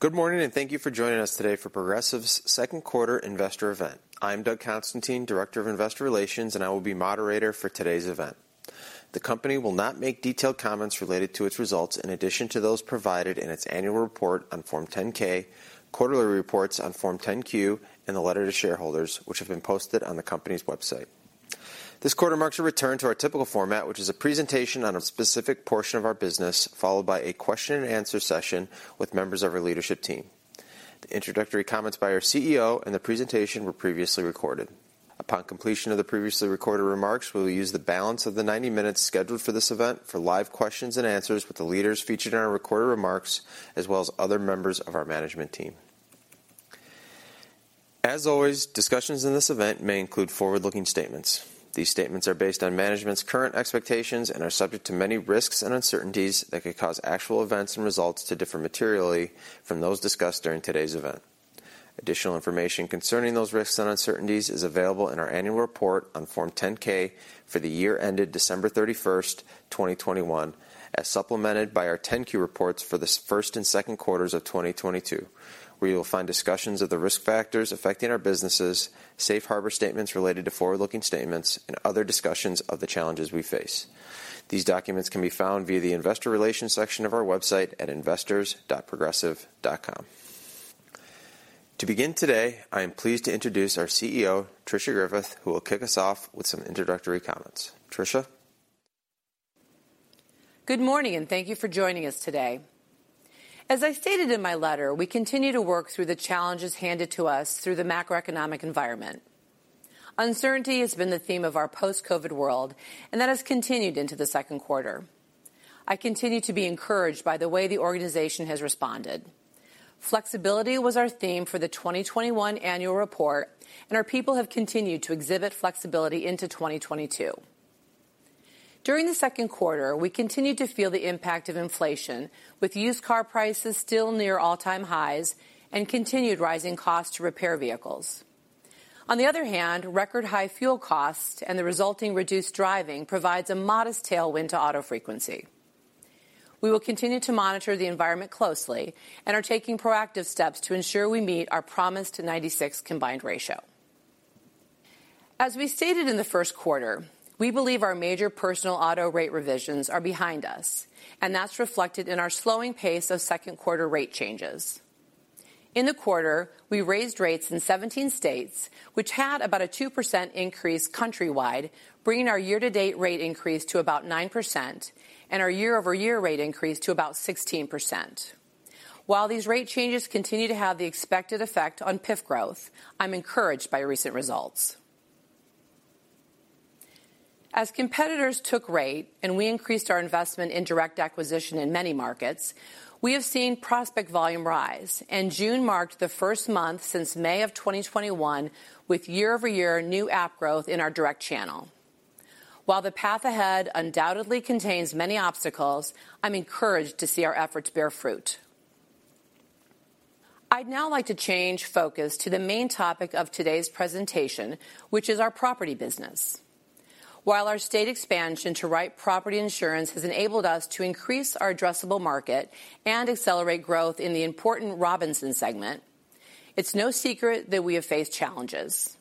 Good morning, and thank you for joining us today for Progressive's second quarter investor event. I'm Douglas Constantine, Director of Investor Relations, and I will be moderator for today's event. The company will not make detailed comments related to its results in addition to those provided in its annual report on Form 10-K, quarterly reports on Form 10-Q, and the letter to shareholders, which have been posted on the company's website. This quarter marks a return to our typical format, which is a presentation on a specific portion of our business, followed by a question and answer session with members of our leadership team. The introductory comments by our CEO and the presentation were previously recorded. Upon completion of the previously recorded remarks, we will use the balance of the 90 minutes scheduled for this event for live questions and answers with the leaders featured in our recorded remarks, as well as other members of our management team. As always, discussions in this event may include forward-looking statements. These statements are based on management's current expectations and are subject to many risks and uncertainties that could cause actual events and results to differ materially from those discussed during today's event. Additional information concerning those risks and uncertainties is available in our annual report on Form 10-K for the year ended December 31st, 2021, as supplemented by our 10-Q reports for the first and second quarters of 2022, where you will find discussions of the risk factors affecting our businesses, safe harbor statements related to forward-looking statements, and other discussions of the challenges we face. These documents can be found via the Investor Relations section of our website at investors.progressive.com. To begin today, I am pleased to introduce our CEO, Tricia Griffith, who will kick us off with some introductory comments. Tricia? Good morning, and thank you for joining us today. As I stated in my letter, we continue to work through the challenges handed to us through the macroeconomic environment. Uncertainty has been the theme of our post-COVID world, and that has continued into the second quarter. I continue to be encouraged by the way the organization has responded. Flexibility was our theme for the 2021 annual report, and our people have continued to exhibit flexibility into 2022. During the second quarter, we continued to feel the impact of inflation, with used car prices still near all-time highs and continued rising costs to repair vehicles. On the other hand, record high fuel costs and the resulting reduced driving provides a modest tailwind to auto frequency. We will continue to monitor the environment closely and are taking proactive steps to ensure we meet our promise to 96 combined ratio. As we stated in the first quarter, we believe our major personal auto rate revisions are behind us, and that's reflected in our slowing pace of second quarter rate changes. In the quarter, we raised rates in 17 states, which had about a 2% increase countrywide, bringing our year-to-date rate increase to about 9% and our year-over-year rate increase to about 16%. While these rate changes continue to have the expected effect on PIF growth, I'm encouraged by recent results. As competitors took rate and we increased our investment in direct acquisition in many markets, we have seen prospect volume rise, and June marked the first month since May of 2021 with year-over-year new app growth in our direct channel. While the path ahead undoubtedly contains many obstacles, I'm encouraged to see our efforts bear fruit. I'd now like to change focus to the main topic of today's presentation, which is our property business. While our state expansion to write property insurance has enabled us to increase our addressable market and accelerate growth in the important Robinson segment, it's no secret that we have faced challenges.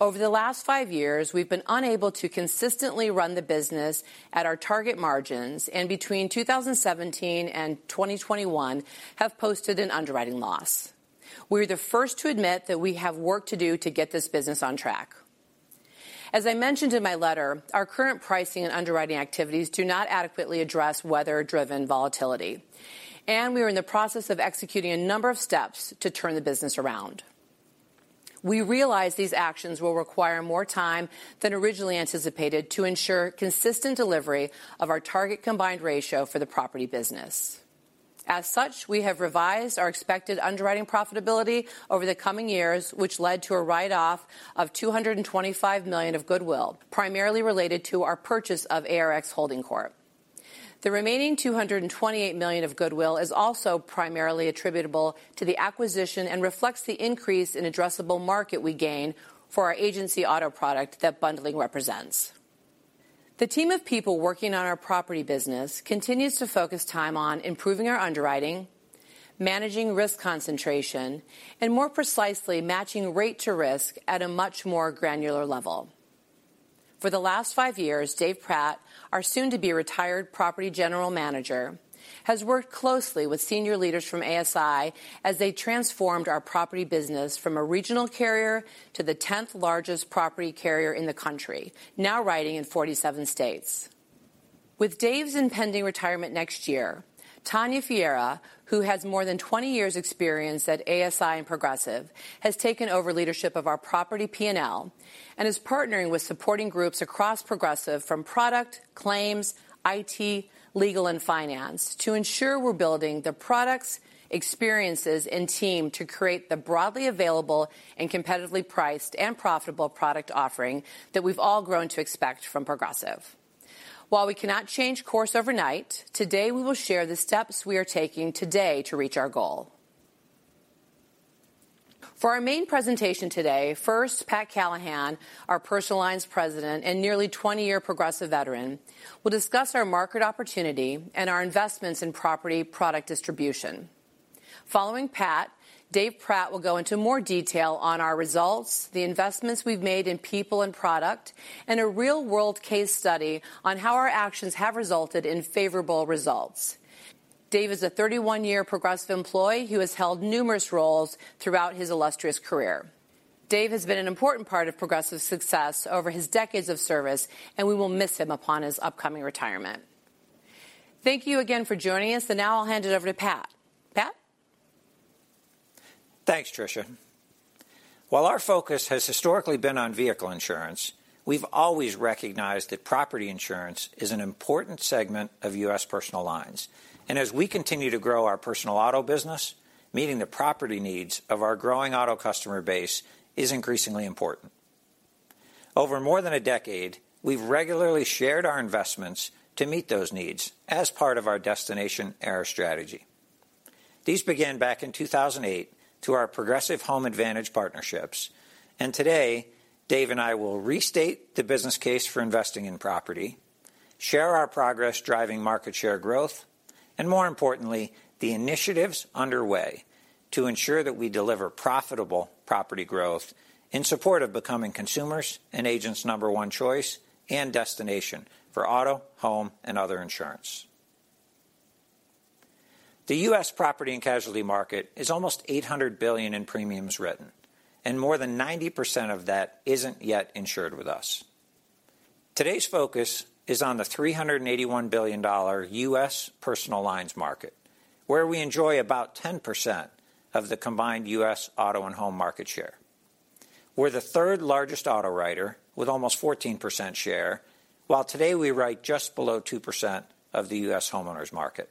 Over the last five years, we've been unable to consistently run the business at our target margins, and between 2017 and 2021 have posted an underwriting loss. We're the first to admit that we have work to do to get this business on track. As I mentioned in my letter, our current pricing and underwriting activities do not adequately address weather-driven volatility, and we are in the process of executing a number of steps to turn the business around. We realize these actions will require more time than originally anticipated to ensure consistent delivery of our target combined ratio for the property business. As such, we have revised our expected underwriting profitability over the coming years, which led to a write-off of $225 million of goodwill, primarily related to our purchase of ARX Holding Corp. The remaining $228 million of goodwill is also primarily attributable to the acquisition and reflects the increase in addressable market we gain for our agency auto product that bundling represents. The team of people working on our property business continues to focus time on improving our underwriting, managing risk concentration, and more precisely matching rate to risk at a much more granular level. For the last five years, Dave Pratt, our soon-to-be-retired Property General Manager, has worked closely with senior leaders from ASI as they transformed our property business from a regional carrier to the 10th-largest property carrier in the country, now writing in 47 states. With Dave's impending retirement next year, Tanya Fjera, who has more than 20 years' experience at ASI and Progressive, has taken over leadership of our property P&L and is partnering with supporting groups across Progressive from product, claims, IT, legal, and finance to ensure we're building the products, experiences, and team to create the broadly available and competitively priced and profitable product offering that we've all grown to expect from Progressive. While we cannot change course overnight, today we will share the steps we are taking today to reach our goal. For our main presentation today, first, Pat Callahan, our Personal Lines President and nearly 20-year Progressive veteran, will discuss our market opportunity and our investments in property product distribution. Following Pat, Dave Pratt will go into more detail on our results, the investments we've made in people and product, and a real-world case study on how our actions have resulted in favorable results. Dave is a 31-year Progressive employee who has held numerous roles throughout his illustrious career. Dave has been an important part of Progressive's success over his decades of service, and we will miss him upon his upcoming retirement. Thank you again for joining us, and now I'll hand it over to Pat. Pat? Thanks, Tricia. While our focus has historically been on vehicle insurance, we've always recognized that property insurance is an important segment of U.S. personal lines. As we continue to grow our personal auto business, meeting the property needs of our growing auto customer base is increasingly important. Over more than a decade, we've regularly shared our investments to meet those needs as part of our Destination Era strategy. These began back in 2008 through our Progressive Home Advantage partnerships, and today, Dave and I will restate the business case for investing in property, share our progress driving market share growth, and more importantly, the initiatives underway to ensure that we deliver profitable property growth in support of becoming consumers' and agents' number-one choice and destination for auto, home, and other insurance. The U.S. property and casualty market is almost $800 billion in premiums written, and more than 90% of that isn't yet insured with us. Today's focus is on the $381 billion U.S. personal lines market, where we enjoy about 10% of the combined U.S. auto and home market share. We're the third-largest auto writer with almost 14% share, while today we write just below 2% of the U.S. homeowners market.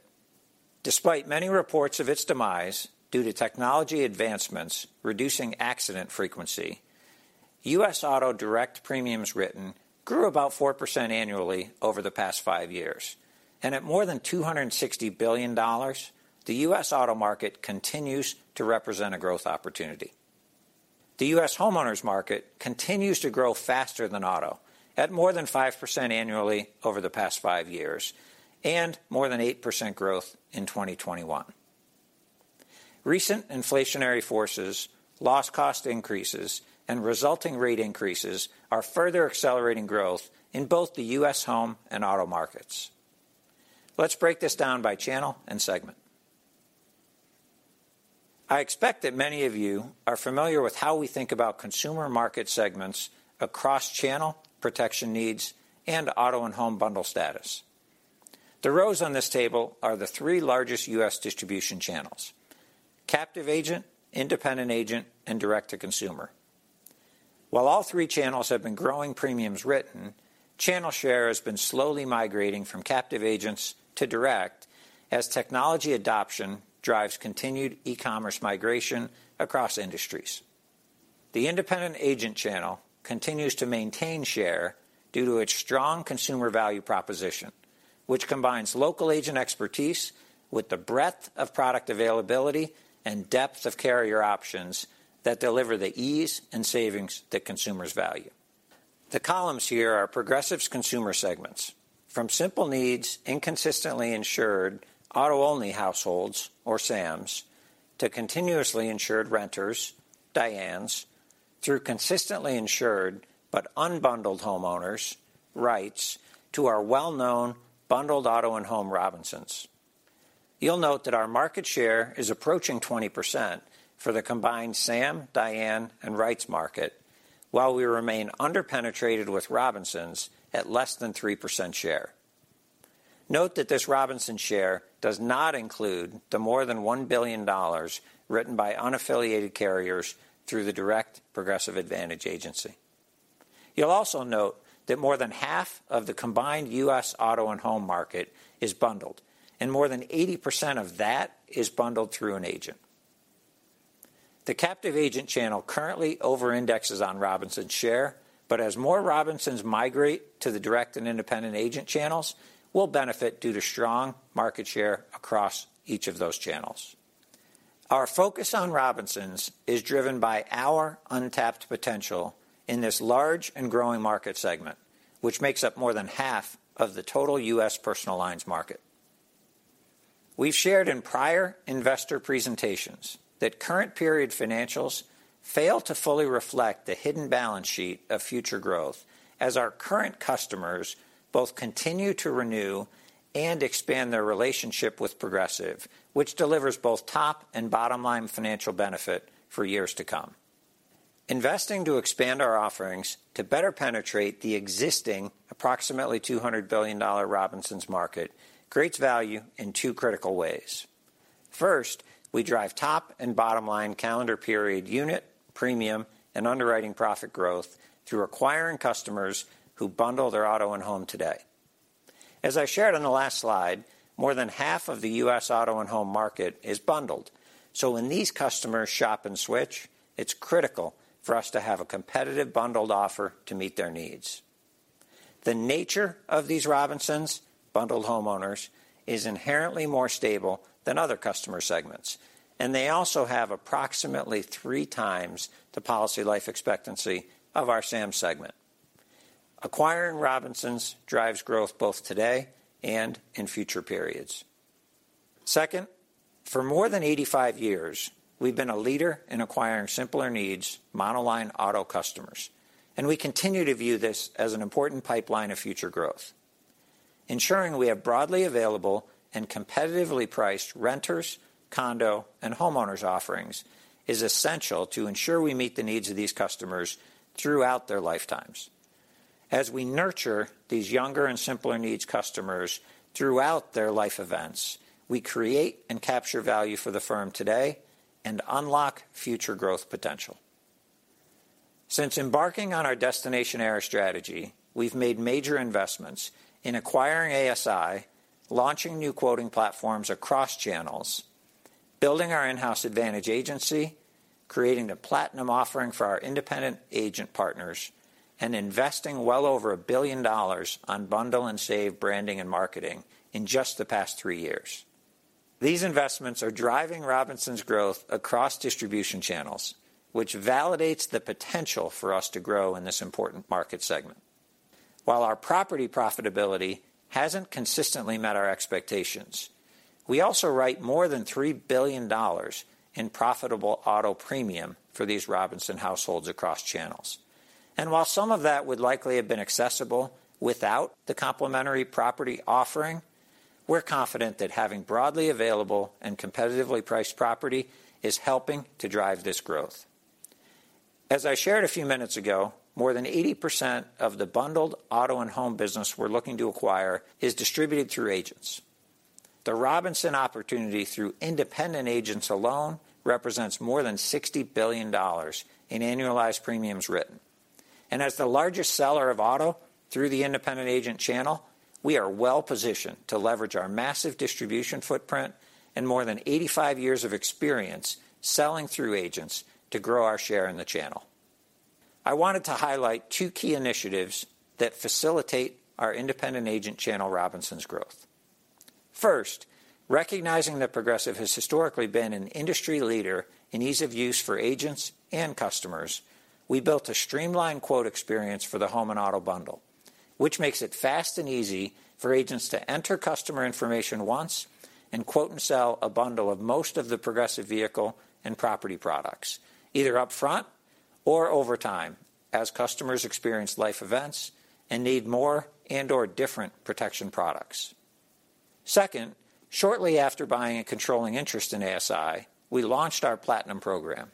Despite many reports of its demise due to technology advancements reducing accident frequency, U.S. auto direct premiums written grew about 4% annually over the past five years. At more than $260 billion, the U.S. auto market continues to represent a growth opportunity. The U.S. homeowners market continues to grow faster than auto at more than 5% annually over the past five years and more than 8% growth in 2021. Recent inflationary forces, loss cost increases, and resulting rate increases are further accelerating growth in both the U.S. home and auto markets. Let's break this down by channel and segment. I expect that many of you are familiar with how we think about consumer market segments across channel, protection needs, and auto and home bundle status. The rows on this table are the three largest U.S. distribution channels, captive agent, independent agent, and direct-to-consumer. While all three channels have been growing premiums written, channel share has been slowly migrating from captive agents to direct as technology adoption drives continued ecommerce migration across industries. The independent agent channel continues to maintain share due to its strong consumer value proposition, which combines local agent expertise with the breadth of product availability and depth of carrier options that deliver the ease and savings that consumers value. The columns here are Progressive's consumer segments, from simple needs, inconsistently insured auto-only households, or Sams, to continuously insured renters, Dianes, through consistently insured but unbundled homeowners, Wrights, to our well-known bundled auto and home Robinsons. You'll note that our market share is approaching 20% for the combined Sams, Dianes, and Wrights market, while we remain under-penetrated with Robinsons at less than 3% share. Note that this Robinsons share does not include the more than $1 billion written by unaffiliated carriers through the direct Progressive Advantage Agency. You'll also note that more than half of the combined U.S. auto and home market is bundled, and more than 80% of that is bundled through an agent. The captive agent channel currently over-indexes on Robinson share, but as more Robinsons migrate to the direct and independent agent channels, we'll benefit due to strong market share across each of those channels. Our focus on Robinsons is driven by our untapped potential in this large and growing market segment, which makes up more than half of the total U.S. personal lines market. We've shared in prior investor presentations that current period financials fail to fully reflect the hidden balance sheet of future growth as our current customers both continue to renew and expand their relationship with Progressive, which delivers both top and bottom-line financial benefit for years to come. Investing to expand our offerings to better penetrate the existing approximately $200 billion Robinsons market creates value in two critical ways. First, we drive top and bottom-line calendar period unit, premium, and underwriting profit growth through acquiring customers who bundle their auto and home today. As I shared on the last slide, more than half of the U.S. auto and home market is bundled, so when these customers shop and switch, it's critical for us to have a competitive bundled offer to meet their needs. The nature of these Robinsons, bundled homeowners, is inherently more stable than other customer segments, and they also have approximately three times the policy life expectancy of our Sams segment. Acquiring Robinsons drives growth both today and in future periods. Second, for more than 85 years, we've been a leader in acquiring simpler needs monoline auto customers, and we continue to view this as an important pipeline of future growth. Ensuring we have broadly available and competitively priced renters, condo, and homeowners offerings is essential to ensure we meet the needs of these customers throughout their lifetimes. As we nurture these younger and simpler needs customers throughout their life events, we create and capture value for the firm today and unlock future growth potential. Since embarking on our Destination Era strategy, we've made major investments in acquiring ASI, launching new quoting platforms across channels, building our in-house Advantage Agency, creating a Platinum offering for our independent agent partners, and investing well over $1 billion on Bundle and Save branding and marketing in just the past three years. These investments are driving Robinson's growth across distribution channels, which validates the potential for us to grow in this important market segment. While our property profitability hasn't consistently met our expectations, we also write more than $3 billion in profitable auto premium for these Robinson households across channels. While some of that would likely have been accessible without the complimentary property offering, we're confident that having broadly available and competitively priced property is helping to drive this growth. As I shared a few minutes ago, more than 80% of the bundled auto and home business we're looking to acquire is distributed through agents. The Robinson opportunity through independent agents alone represents more than $60 billion in annualized premiums written. As the largest seller of auto through the independent agent channel, we are well-positioned to leverage our massive distribution footprint and more than 85 years of experience selling through agents to grow our share in the channel. I wanted to highlight two key initiatives that facilitate our independent agent channel Robinsons' growth. First, recognizing that Progressive has historically been an industry leader in ease of use for agents and customers, we built a streamlined quote experience for the home and auto bundle, which makes it fast and easy for agents to enter customer information once and quote and sell a bundle of most of the Progressive vehicle and property products, either up front or over time as customers experience life events and need more and/or different protection products. Second, shortly after buying a controlling interest in ASI, we launched our Platinum program,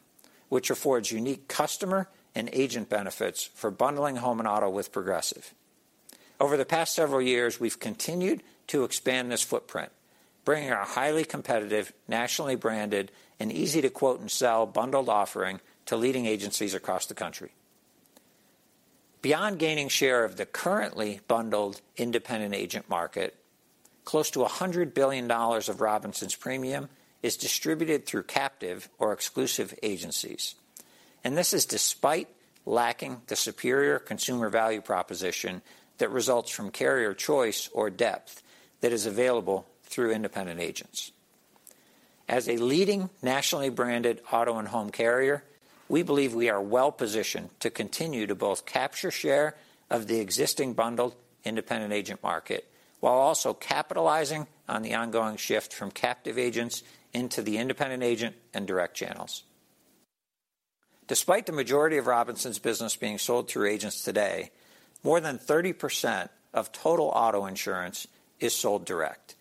which affords unique customer and agent benefits for bundling home and auto with Progressive. Over the past several years, we've continued to expand this footprint, bringing our highly competitive, nationally branded, and easy to quote and sell bundled offering to leading agencies across the country. Beyond gaining share of the currently bundled independent agent market, close to $100 billion of Robinson's premium is distributed through captive or exclusive agencies. This is despite lacking the superior consumer value proposition that results from carrier choice or depth that is available through independent agents. As a leading nationally branded auto and home carrier, we believe we are well-positioned to continue to both capture share of the existing bundled independent agent market while also capitalizing on the ongoing shift from captive agents into the independent agent and direct channels. Despite the majority of Robinson's business being sold through agents today, more than 30% of total auto insurance is sold direct.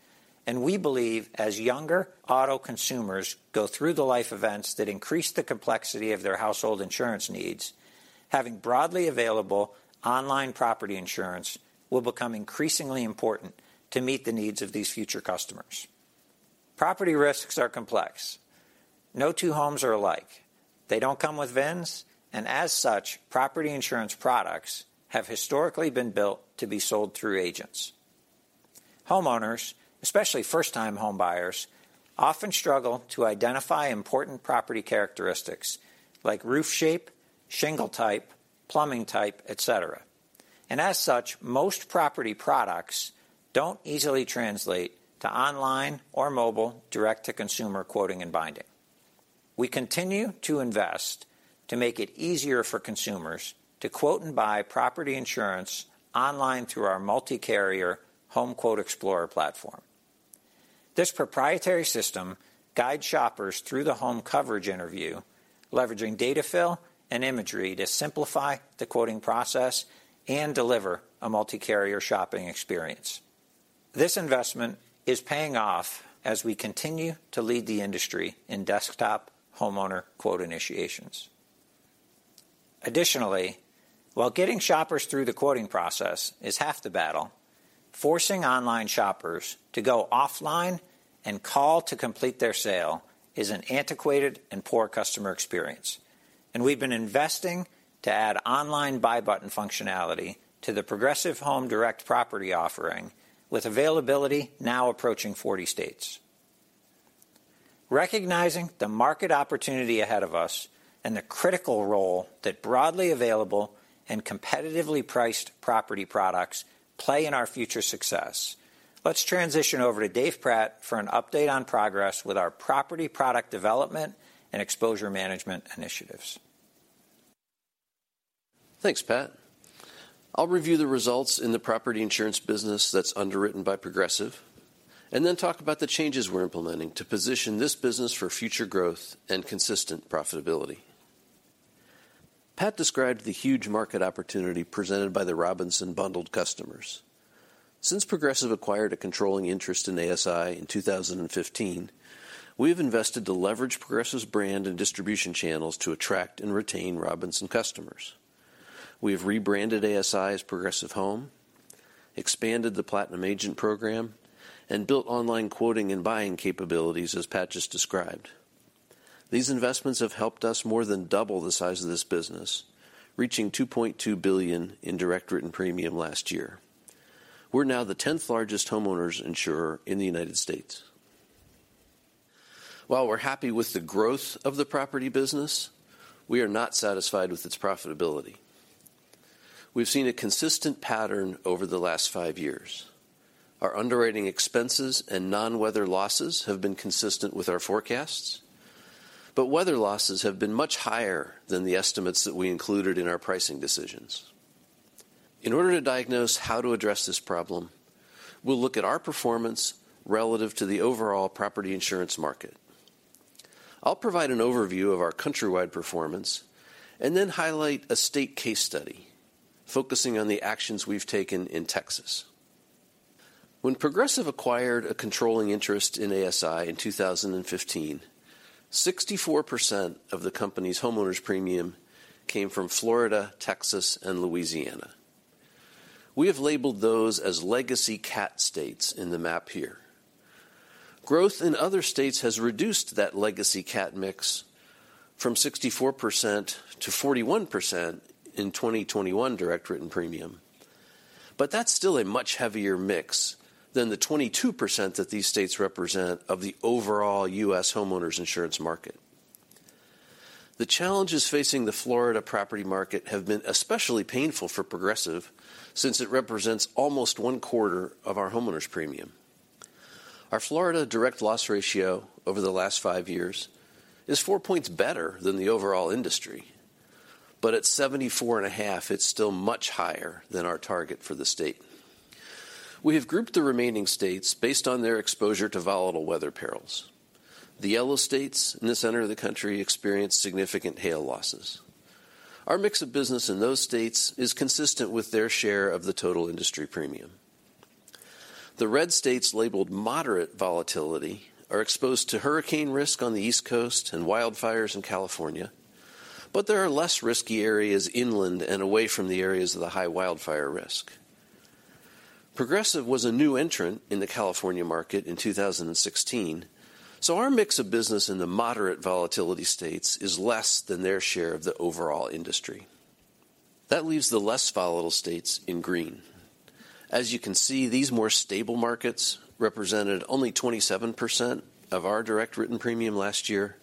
We believe as younger auto consumers go through the life events that increase the complexity of their household insurance needs, having broadly available online property insurance will become increasingly important to meet the needs of these future customers. Property risks are complex. No two homes are alike. They don't come with VINs, and as such, property insurance products have historically been built to be sold through agents. Homeowners, especially first-time home buyers, often struggle to identify important property characteristics like roof shape, shingle type, plumbing type, et cetera. As such, most property products don't easily translate to online or mobile direct-to-consumer quoting and binding. We continue to invest to make it easier for consumers to quote and buy property insurance online through our multi-carrier HomeQuote Explorer platform. This proprietary system guides shoppers through the home coverage interview, leveraging data fill and imagery to simplify the quoting process and deliver a multi-carrier shopping experience. This investment is paying off as we continue to lead the industry in desktop homeowner quote initiations. Additionally, while getting shoppers through the quoting process is half the battle, forcing online shoppers to go offline and call to complete their sale is an antiquated and poor customer experience, and we've been investing to add online buy button functionality to the Progressive Home Direct property offering with availability now approaching 40 states. Recognizing the market opportunity ahead of us and the critical role that broadly available and competitively priced property products play in our future success, let's transition over to Dave Pratt for an update on progress with our property product development and exposure management initiatives. Thanks, Pat. I'll review the results in the property insurance business that's underwritten by Progressive, and then talk about the changes we're implementing to position this business for future growth and consistent profitability. Pat described the huge market opportunity presented by the Robinson bundled customers. Since Progressive acquired a controlling interest in ASI in 2015, we have invested to leverage Progressive's brand and distribution channels to attract and retain Robinson customers. We have rebranded ASI as Progressive Home, expanded the Platinum Agent program, and built online quoting and buying capabilities as Pat just described. These investments have helped us more than double the size of this business, reaching $2.2 billion in direct written premium last year. We're now the 10th-largest homeowners insurer in the United States. While we're happy with the growth of the property business, we are not satisfied with its profitability. We've seen a consistent pattern over the last five years. Our underwriting expenses and non-weather losses have been consistent with our forecasts, but weather losses have been much higher than the estimates that we included in our pricing decisions. In order to diagnose how to address this problem, we'll look at our performance relative to the overall property insurance market. I'll provide an overview of our countrywide performance and then highlight a state case study focusing on the actions we've taken in Texas. When Progressive acquired a controlling interest in ASI in 2015, 64% of the company's homeowners premium came from Florida, Texas, and Louisiana. We have labeled those as legacy cat states in the map here. Growth in other states has reduced that legacy cat mix from 64% to 41% in 2021 direct written premium, but that's still a much heavier mix than the 22% that these states represent of the overall U.S. homeowners insurance market. The challenges facing the Florida property market have been especially painful for Progressive since it represents almost one-quarter of our homeowners premium. Our Florida direct loss ratio over the last five years is 4 points better than the overall industry, but at 74.5, it's still much higher than our target for the state. We have grouped the remaining states based on their exposure to volatile weather perils. The yellow states in the center of the country experience significant hail losses. Our mix of business in those states is consistent with their share of the total industry premium. The red states labeled moderate volatility are exposed to hurricane risk on the East Coast and wildfires in California, but there are less risky areas inland and away from the areas of the high wildfire risk. Progressive was a new entrant in the California market in 2016, so our mix of business in the moderate volatility states is less than their share of the overall industry. That leaves the less volatile states in green. As you can see, these more stable markets represented only 27% of our direct written premium last year,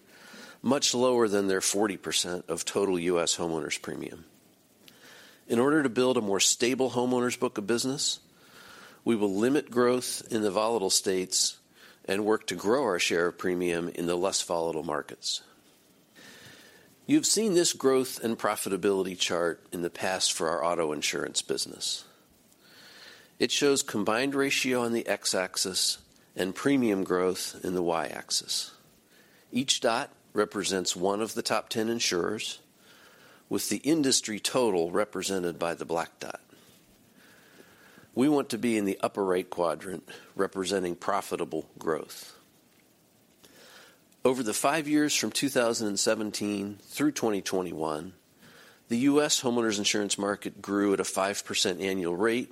much lower than their 40% of total U.S. homeowners premium. In order to build a more stable homeowners book of business, we will limit growth in the volatile states and work to grow our share of premium in the less volatile markets. You've seen this growth and profitability chart in the past for our auto insurance business. It shows combined ratio on the X-axis and premium growth in the Y-axis. Each dot represents one of the top 10 insurers, with the industry total represented by the black dot. We want to be in the upper right quadrant, representing profitable growth. Over the five years from 2017 through 2021, the U.S. homeowners insurance market grew at a 5% annual rate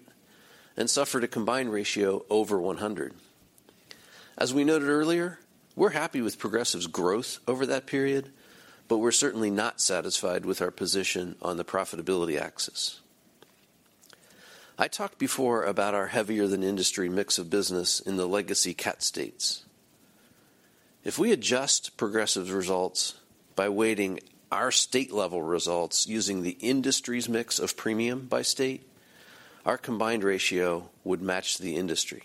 and suffered a combined ratio over 100. As we noted earlier, we're happy with Progressive's growth over that period, but we're certainly not satisfied with our position on the profitability axis. I talked before about our heavier than industry mix of business in the legacy cat states. If we adjust Progressive's results by weighting our state-level results using the industry's mix of premium by state, our combined ratio would match the industry.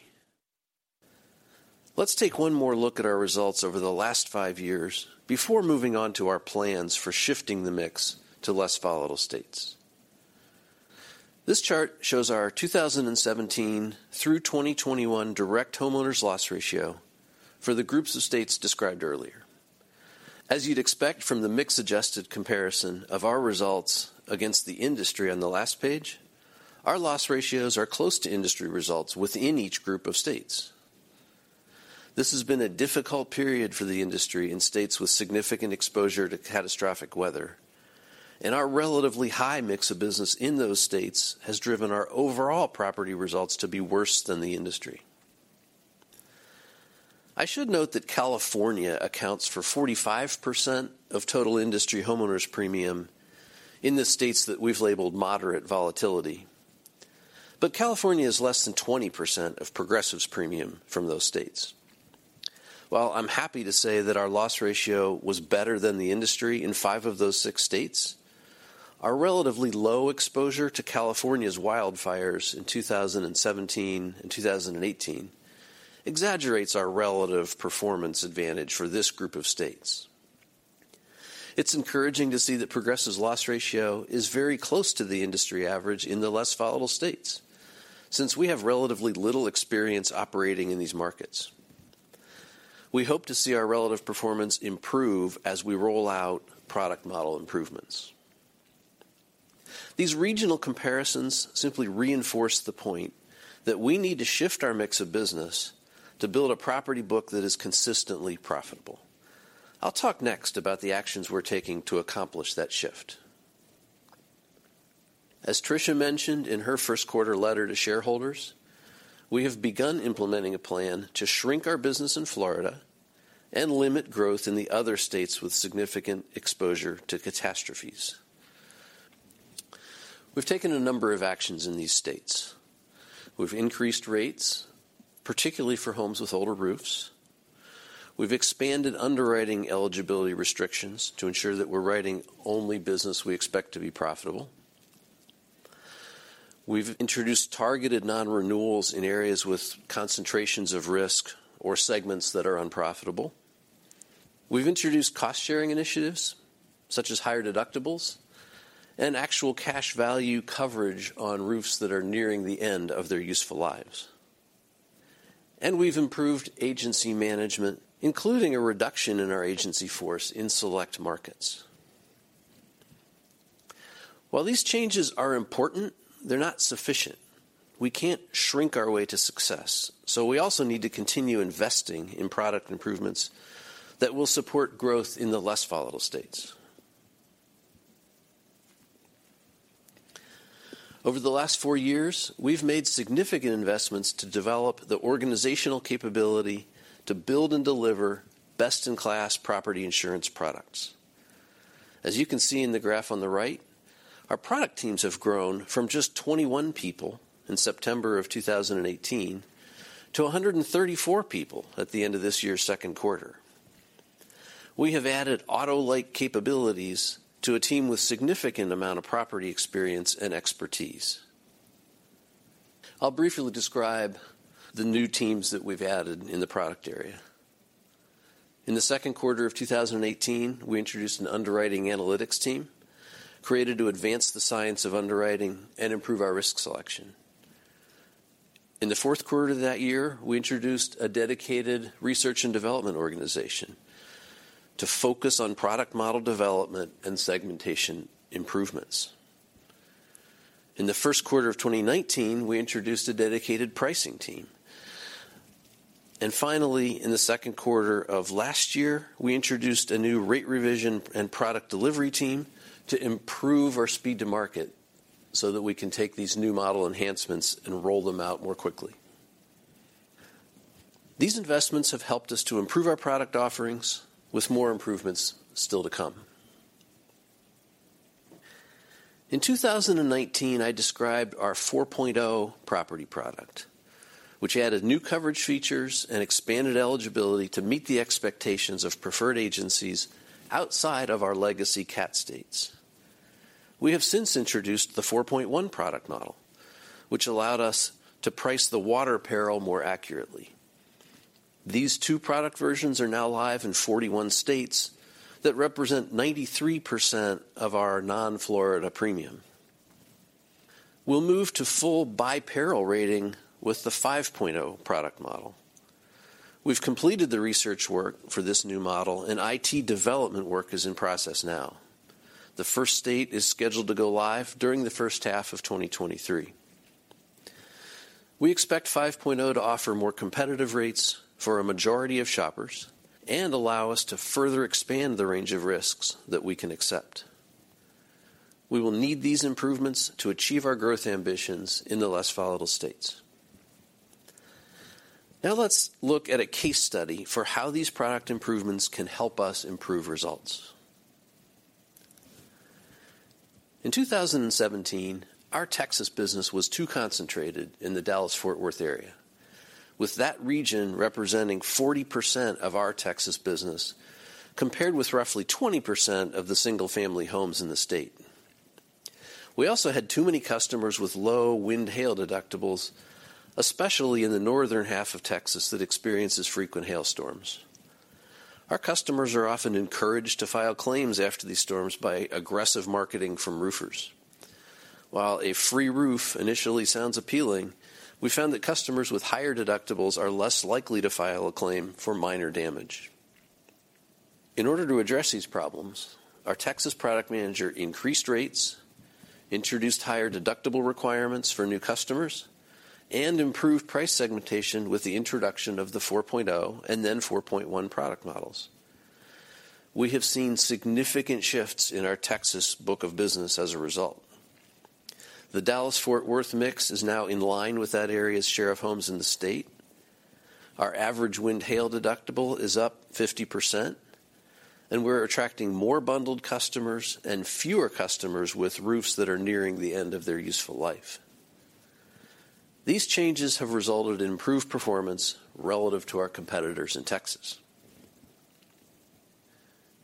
Let's take one more look at our results over the last five years before moving on to our plans for shifting the mix to less volatile states. This chart shows our 2017 through 2021 direct homeowners loss ratio for the groups of states described earlier. As you'd expect from the mix-adjusted comparison of our results against the industry on the last page, our loss ratios are close to industry results within each group of states. This has been a difficult period for the industry in states with significant exposure to catastrophic weather, and our relatively high mix of business in those states has driven our overall property results to be worse than the industry. I should note that California accounts for 45% of total industry homeowners premium in the states that we've labeled moderate volatility. California is less than 20% of Progressive's premium from those states. While I'm happy to say that our loss ratio was better than the industry in five of those six states, our relatively low exposure to California's wildfires in 2017 and 2018 exaggerates our relative performance advantage for this group of states. It's encouraging to see that Progressive's loss ratio is very close to the industry average in the less volatile states since we have relatively little experience operating in these markets. We hope to see our relative performance improve as we roll out product model improvements. These regional comparisons simply reinforce the point that we need to shift our mix of business to build a property book that is consistently profitable. I'll talk next about the actions we're taking to accomplish that shift. As Tricia mentioned in her first quarter letter to shareholders, we have begun implementing a plan to shrink our business in Florida and limit growth in the other states with significant exposure to catastrophes. We've taken a number of actions in these states. We've increased rates, particularly for homes with older roofs. We've expanded underwriting eligibility restrictions to ensure that we're writing only business we expect to be profitable. We've introduced targeted non-renewals in areas with concentrations of risk or segments that are unprofitable. We've introduced cost-sharing initiatives, such as higher deductibles and actual cash value coverage on roofs that are nearing the end of their useful lives. We've improved agency management, including a reduction in our agency force in select markets. While these changes are important, they're not sufficient. We can't shrink our way to success, so we also need to continue investing in product improvements that will support growth in the less volatile states. Over the last four years, we've made significant investments to develop the organizational capability to build and deliver best-in-class property insurance products. As you can see in the graph on the right, our product teams have grown from just 21 people in September of 2018 to 134 people at the end of this year's second quarter. We have added auto like capabilities to a team with significant amount of property experience and expertise. I'll briefly describe the new teams that we've added in the product area. In the second quarter of 2018, we introduced an underwriting analytics team created to advance the science of underwriting and improve our risk selection. In the fourth quarter that year, we introduced a dedicated research and development organization to focus on product model development and segmentation improvements. In the first quarter of 2019, we introduced a dedicated pricing team. Finally, in the second quarter of last year, we introduced a new rate revision and product delivery team to improve our speed to market so that we can take these new model enhancements and roll them out more quickly. These investments have helped us to improve our product offerings with more improvements still to come. In 2019, I described our 4.0 property product, which added new coverage features and expanded eligibility to meet the expectations of preferred agencies outside of our legacy cat states. We have since introduced the 4.1 product model, which allowed us to price the water peril more accurately. These two product versions are now live in 41 states that represent 93% of our non-Florida premium. We'll move to full by peril rating with the 5.0 product model. We've completed the research work for this new model, and IT development work is in process now. The first state is scheduled to go live during the first half of 2023. We expect 5.0 to offer more competitive rates for a majority of shoppers and allow us to further expand the range of risks that we can accept. We will need these improvements to achieve our growth ambitions in the less volatile states. Now let's look at a case study for how these product improvements can help us improve results. In 2017, our Texas business was too concentrated in the Dallas-Fort Worth area, with that region representing 40% of our Texas business compared with roughly 20% of the single-family homes in the state. We also had too many customers with low wind hail deductibles, especially in the northern half of Texas that experiences frequent hail storms. Our customers are often encouraged to file claims after these storms by aggressive marketing from roofers. While a free roof initially sounds appealing, we found that customers with higher deductibles are less likely to file a claim for minor damage. In order to address these problems, our Texas product manager increased rates, introduced higher deductible requirements for new customers, and improved price segmentation with the introduction of the 4.0, and then 4.1 product models. We have seen significant shifts in our Texas book of business as a result. The Dallas-Fort Worth mix is now in line with that area's share of homes in the state. Our average wind/hail deductible is up 50%, and we're attracting more bundled customers and fewer customers with roofs that are nearing the end of their useful life. These changes have resulted in improved performance relative to our competitors in Texas.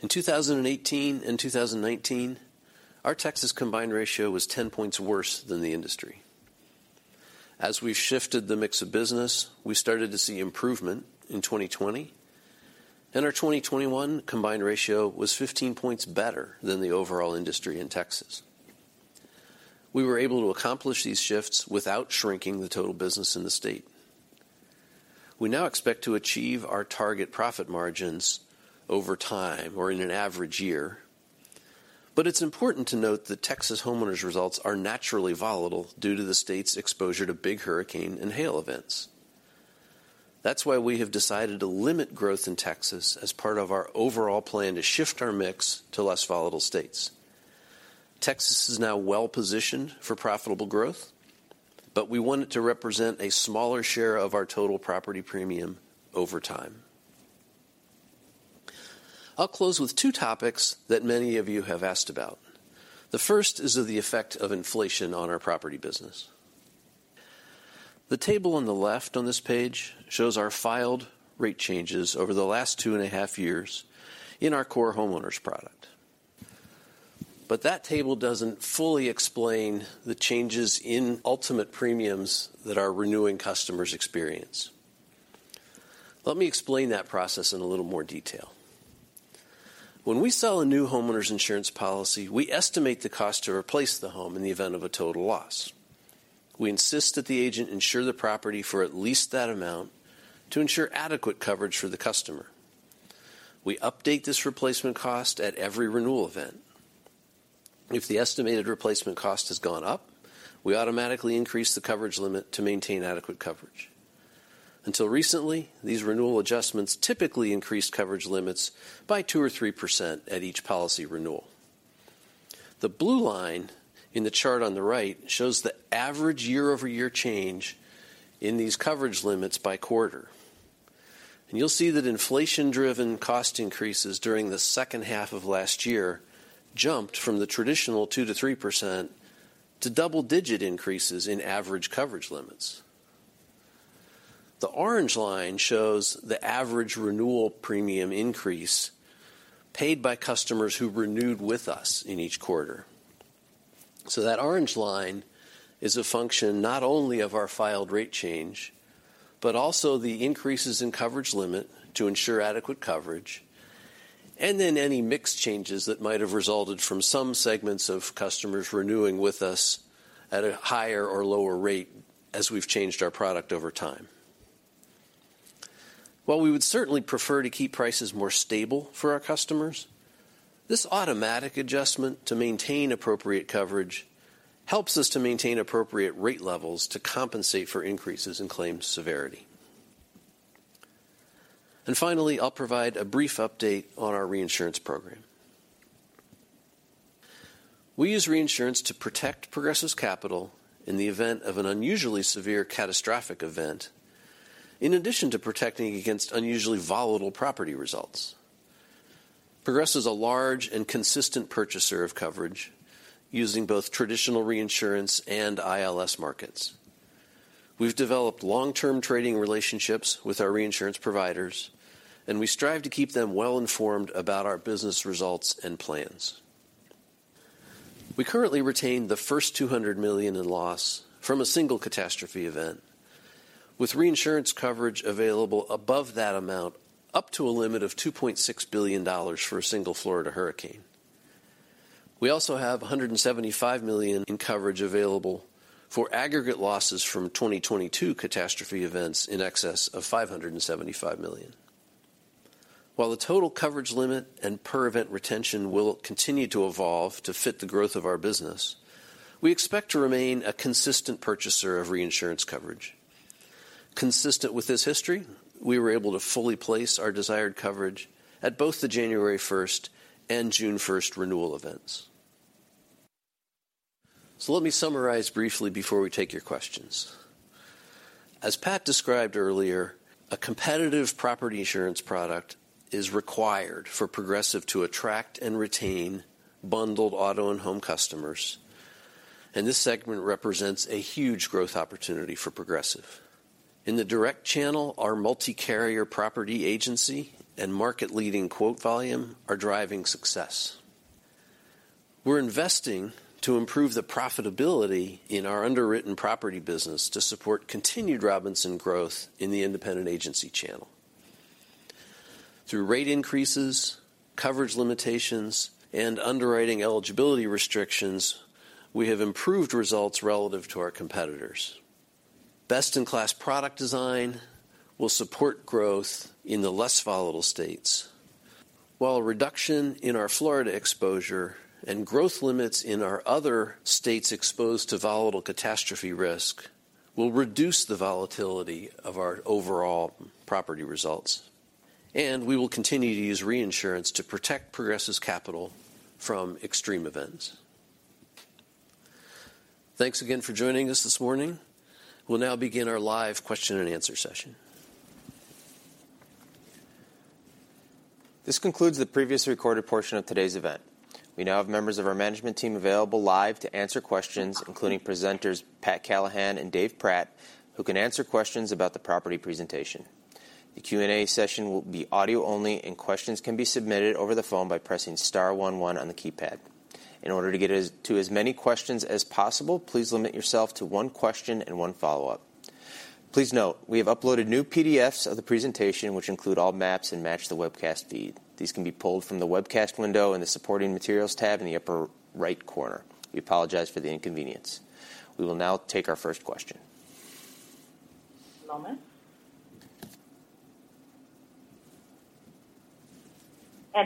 In 2018 and 2019, our Texas combined ratio was 10 points worse than the industry. As we've shifted the mix of business, we started to see improvement in 2020, and our 2021 combined ratio was 15 points better than the overall industry in Texas. We were able to accomplish these shifts without shrinking the total business in the state. We now expect to achieve our target profit margins over time or in an average year. It's important to note that Texas homeowners results are naturally volatile due to the state's exposure to big hurricane and hail events. That's why we have decided to limit growth in Texas as part of our overall plan to shift our mix to less volatile states. Texas is now well-positioned for profitable growth, but we want it to represent a smaller share of our total property premium over time. I'll close with two topics that many of you have asked about. The first is the effect of inflation on our property business. The table on the left on this page shows our filed rate changes over the last 2.5 years in our core homeowners product. That table doesn't fully explain the changes in ultimate premiums that our renewing customers experience. Let me explain that process in a little more detail. When we sell a new homeowners insurance policy, we estimate the cost to replace the home in the event of a total loss. We insist that the agent insure the property for at least that amount to ensure adequate coverage for the customer. We update this replacement cost at every renewal event. If the estimated replacement cost has gone up, we automatically increase the coverage limit to maintain adequate coverage. Until recently, these renewal adjustments typically increased coverage limits by 2% or 3% at each policy renewal. The blue line in the chart on the right shows the average year-over-year change in these coverage limits by quarter. You'll see that inflation-driven cost increases during the second half of last year jumped from the traditional 2%-3% to double-digit increases in average coverage limits. The orange line shows the average renewal premium increase paid by customers who renewed with us in each quarter. That orange line is a function not only of our filed rate change, but also the increases in coverage limit to ensure adequate coverage, and then any mix changes that might have resulted from some segments of customers renewing with us at a higher or lower rate as we've changed our product over time. While we would certainly prefer to keep prices more stable for our customers, this automatic adjustment to maintain appropriate coverage helps us to maintain appropriate rate levels to compensate for increases in claims severity. Finally, I'll provide a brief update on our reinsurance program. We use reinsurance to protect Progressive's capital in the event of an unusually severe catastrophic event, in addition to protecting against unusually volatile property results. Progressive's a large and consistent purchaser of coverage using both traditional reinsurance and ILS markets. We've developed long-term trading relationships with our reinsurance providers, and we strive to keep them well-informed about our business results and plans. We currently retain the first $200 million in loss from a single catastrophe event, with reinsurance coverage available above that amount, up to a limit of $2.6 billion for a single Florida hurricane. We also have $175 million in coverage available for aggregate losses from 2022 catastrophe events in excess of $575 million. While the total coverage limit and per-event retention will continue to evolve to fit the growth of our business, we expect to remain a consistent purchaser of reinsurance coverage. Consistent with this history, we were able to fully place our desired coverage at both the January 1st and June 1st renewal events. Let me summarize briefly before we take your questions. As Pat described earlier, a competitive property insurance product is required for Progressive to attract and retain bundled auto and home customers, and this segment represents a huge growth opportunity for Progressive. In the direct channel, our multi-carrier property agency and market-leading quote volume are driving success. We're investing to improve the profitability in our underwritten property business to support continued Robinson growth in the independent agency channel. Through rate increases, coverage limitations, and underwriting eligibility restrictions, we have improved results relative to our competitors. Best-in-class product design will support growth in the less volatile states, while a reduction in our Florida exposure and growth limits in our other states exposed to volatile catastrophe risk will reduce the volatility of our overall property results. We will continue to use reinsurance to protect Progressive's capital from extreme events. Thanks again for joining us this morning. We'll now begin our live question and answer session. This concludes the previously recorded portion of today's event. We now have members of our management team available live to answer questions, including presenters Pat Callahan and Dave Pratt, who can answer questions about the property presentation. The Q&A session will be audio only, and questions can be submitted over the phone by pressing star one one on the keypad. In order to get to as many questions as possible, please limit yourself to one question and one follow-up. Please note we have uploaded new PDFs of the presentation which include all maps and match the webcast feed. These can be pulled from the webcast window in the Supporting Materials tab in the upper right corner. We apologize for the inconvenience. We will now take our first question. One moment.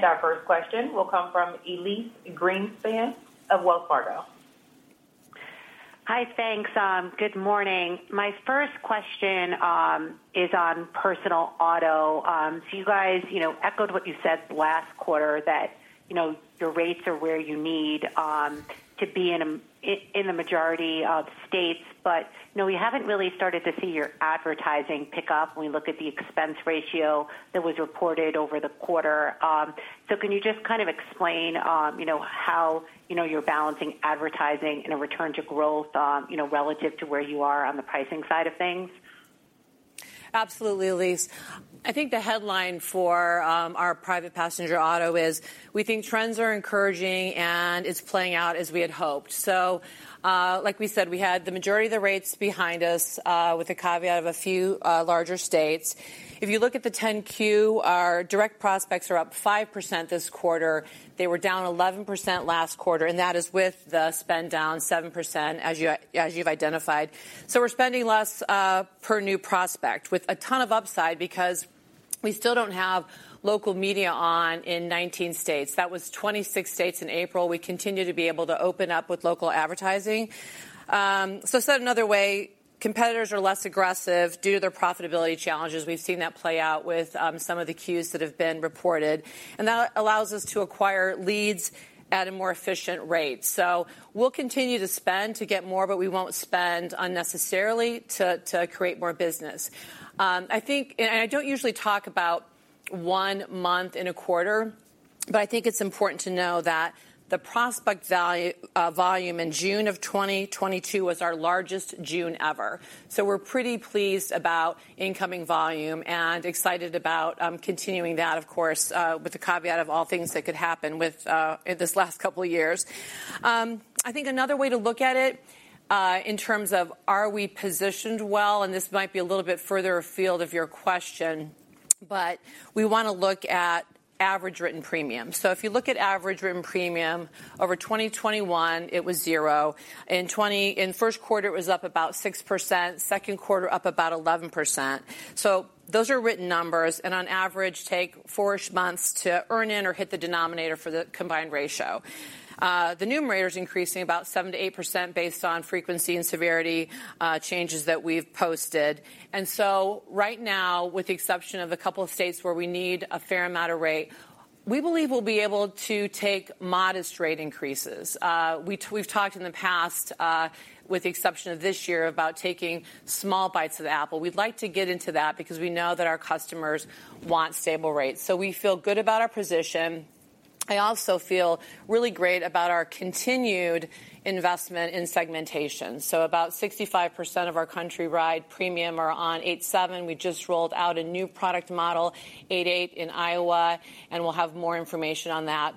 Our first question will come from Elyse Greenspan of Wells Fargo. Hi. Thanks. Good morning. My first question is on personal auto. You guys, you know, echoed what you said last quarter, that, you know, your rates are where you need to be in the majority of states. You know, we haven't really started to see your advertising pick up when we look at the expense ratio that was reported over the quarter. Can you just kind of explain, you know, how, you know, you're balancing advertising in a return to growth, you know, relative to where you are on the pricing side of things? Absolutely, Elyse. I think the headline for our private passenger auto is we think trends are encouraging and it's playing out as we had hoped. Like we said, we had the majority of the rates behind us with the caveat of a few larger states. If you look at the 10-Q, our direct prospects are up 5% this quarter. They were down 11% last quarter, and that is with the spend down 7%, as you've identified. We're spending less per new prospect with a ton of upside because we still don't have local media on in 19 states. That was 26 states in April. We continue to be able to open up with local advertising. Said another way, competitors are less aggressive due to their profitability challenges. We've seen that play out with some of the 10-Qs that have been reported, and that allows us to acquire leads at a more efficient rate. We'll continue to spend to get more, but we won't spend unnecessarily to create more business. I think I don't usually talk about one month in a quarter, but I think it's important to know that the prospect volume in June of 2022 was our largest June ever. We're pretty pleased about incoming volume and excited about continuing that, of course, with the caveat of all things that could happen with this last couple of years. I think another way to look at it, in terms of are we positioned well, and this might be a little bit further afield of your question, but we want to look at average written premium. If you look at average written premium over 2021, it was zero. In first quarter it was up about 6%, second quarter up about 11%. Those are written numbers and on average take four-ish months to earn in or hit the denominator for the combined ratio. The numerator is increasing about 7%-8% based on frequency and severity changes that we've posted. Right now, with the exception of a couple of states where we need a fair amount of rate, we believe we'll be able to take modest rate increases. We've talked in the past, with the exception of this year, about taking small bites of the apple. We'd like to get into that because we know that our customers want stable rates. We feel good about our position. I also feel really great about our continued investment in segmentation. About 65% of our countrywide premium are on 8.7%. We just rolled out a new product model, 8.8%, in Iowa, and we'll have more information on that.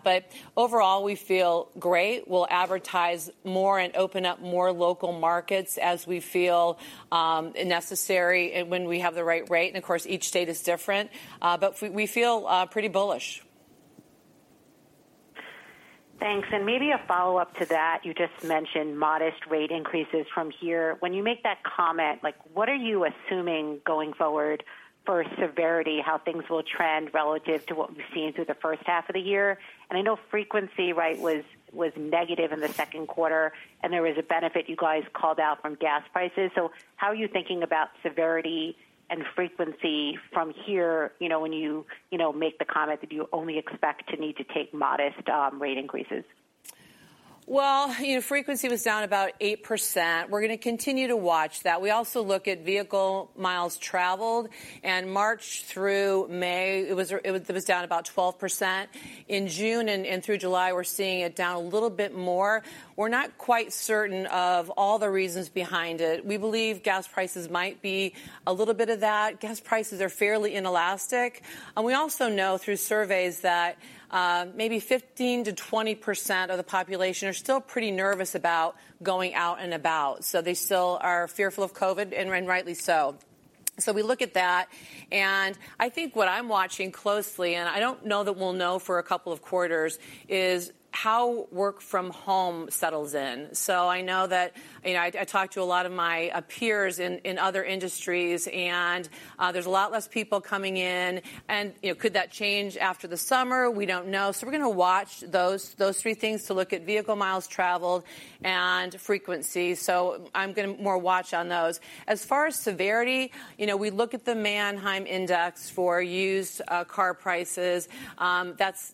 Overall, we feel great. We'll advertise more and open up more local markets as we feel necessary and when we have the right rate. Of course, each state is different. We feel pretty bullish. Thanks. Maybe a follow-up to that. You just mentioned modest rate increases from here. When you make that comment, like, what are you assuming going forward for severity, how things will trend relative to what we've seen through the first half of the year? I know frequency, right, was negative in the second quarter, and there was a benefit you guys called out from gas prices. How are you thinking about severity and frequency from here, you know, when you know, make the comment that you only expect to need to take modest rate increases? Well, you know, frequency was down about 8%. We're gonna continue to watch that. We also look at vehicle miles traveled, and March through May, it was down about 12%. In June and through July, we're seeing it down a little bit more. We're not quite certain of all the reasons behind it. We believe gas prices might be a little bit of that. Gas prices are fairly inelastic. We also know through surveys that maybe 15%-20% of the population are still pretty nervous about going out and about, so they still are fearful of COVID, and rightly so. We look at that, and I think what I'm watching closely, and I don't know that we'll know for a couple of quarters is how work from home settles in. I know that I talk to a lot of my peers in other industries and there's a lot less people coming in and could that change after the summer? We don't know. We're gonna watch those three things to look at vehicle miles traveled and frequency. I'm gonna watch more on those. As far as severity, we look at the Manheim index for used car prices. That's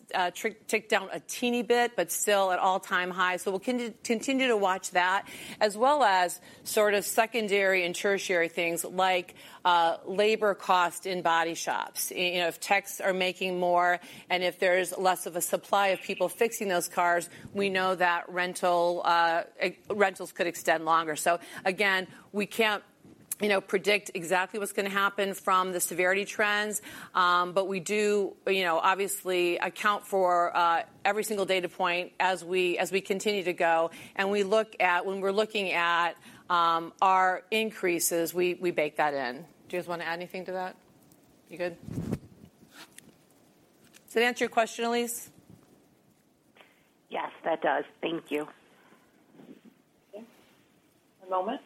ticked down a teeny bit, but still at all-time high. We'll continue to watch that as well as sort of secondary and tertiary things like labor cost in body shops. If techs are making more and if there's less of a supply of people fixing those cars, we know that rentals could extend longer. Again, we can't, you know, predict exactly what's gonna happen from the severity trends, but we do, you know, obviously account for every single data point as we continue to go. We look at when we're looking at our increases, we bake that in. Do you guys wanna add anything to that? You good? Does that answer your question, Elyse? Yes, that does. Thank you. Okay. One moment.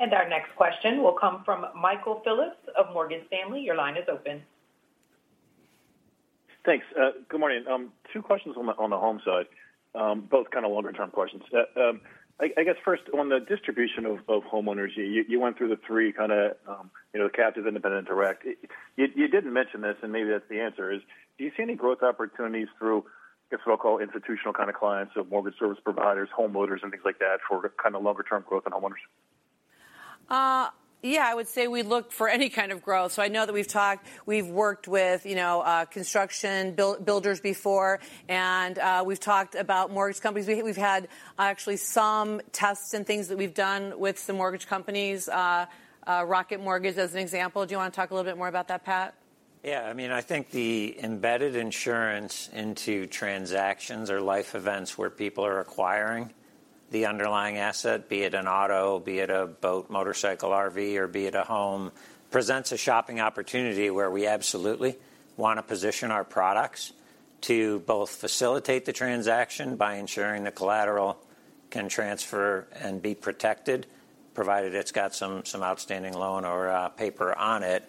Our next question will come from Michael Phillips of Morgan Stanley. Your line is open. Thanks, good morning. Two questions on the home side, both kind of longer term questions. I guess first, on the distribution of homeowners, you went through the three kinds of, you know, the captive, independent, direct. You didn't mention this, and maybe that's the answer, is do you see any growth opportunities through, I guess, what I'll call institutional kinds of clients, so mortgage service providers, home builders and things like that for kind of longer term growth in homeowners? Yeah, I would say we look for any kind of growth. I know that we've worked with, you know, construction builders before, and we've talked about mortgage companies. We've had actually some tests and things that we've done with some mortgage companies, Rocket Mortgage as an example. Do you wanna talk a little bit more about that, Pat? Yeah. I mean, I think the embedded insurance into transactions or life events where people are acquiring the underlying asset, be it an auto, be it a boat, motorcycle, RV, or be it a home, presents a shopping opportunity where we absolutely wanna position our products to both facilitate the transaction by ensuring the collateral can transfer and be protected, provided it's got some outstanding loan or paper on it.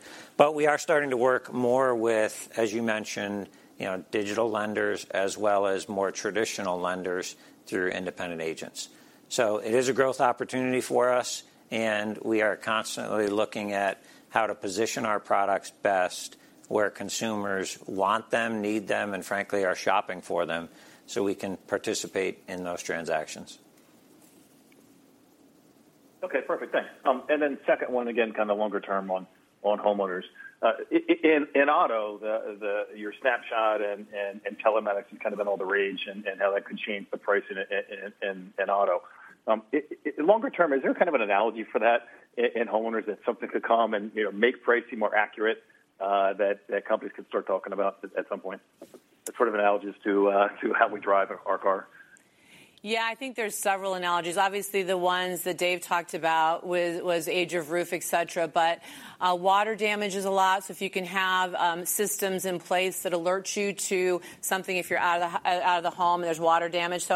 We are starting to work more with, as you mentioned, you know, digital lenders as well as more traditional lenders through independent agents. It is a growth opportunity for us, and we are constantly looking at how to position our products best where consumers want them, need them, and frankly are shopping for them so we can participate in those transactions. Okay. Perfect. Thanks. Second one, again, kind of longer term on homeowners. In auto, your Snapshot and telematics has kind of been all the rage and how that could change the pricing in auto. In longer term, is there kind of an analogy for that in homeowners that something could come and, you know, make pricing more accurate, that companies could start talking about at some point? Sort of analogous to how we drive our car? Yeah. I think there's several analogies. Obviously, the ones that Dave talked about was age of roof, et cetera. Water damage is a lot. If you can have systems in place that alerts you to something if you're out of the home and there's water damage.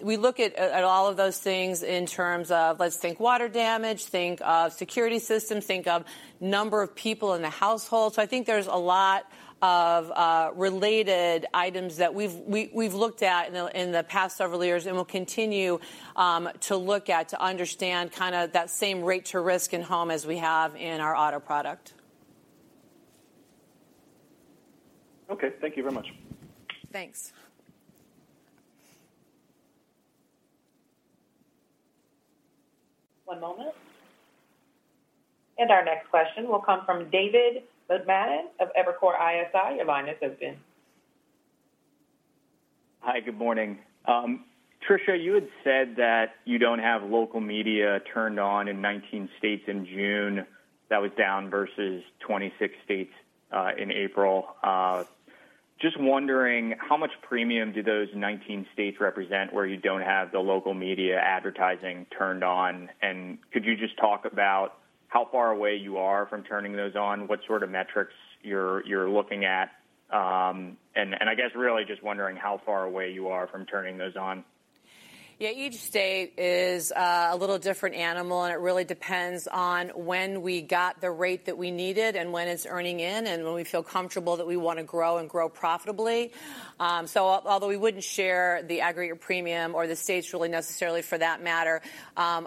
We look at all of those things in terms of let's think water damage, think of security systems, think of number of people in the household. I think there's a lot of related items that we've looked at in the past several years and will continue to look at to understand kinda that same rate to risk in home as we have in our auto product. Okay. Thank you very much. Thanks. One moment. Our next question will come from David Motemaden of Evercore ISI. Your line is open. Hi, good morning. Tricia, you had said that you don't have local media turned on in 19 states in June. That was down versus 26 states in April. Just wondering how much premium do those 19 states represent where you don't have the local media advertising turned on? Could you just talk about how far away you are from turning those on? What sort of metrics you're looking at? I guess really just wondering how far away you are from turning those on. Yeah, each state is a little different animal, and it really depends on when we got the rate that we needed and when it's earning in, and when we feel comfortable that we wanna grow and grow profitably. Although we wouldn't share the aggregate premium or the states really necessarily for that matter,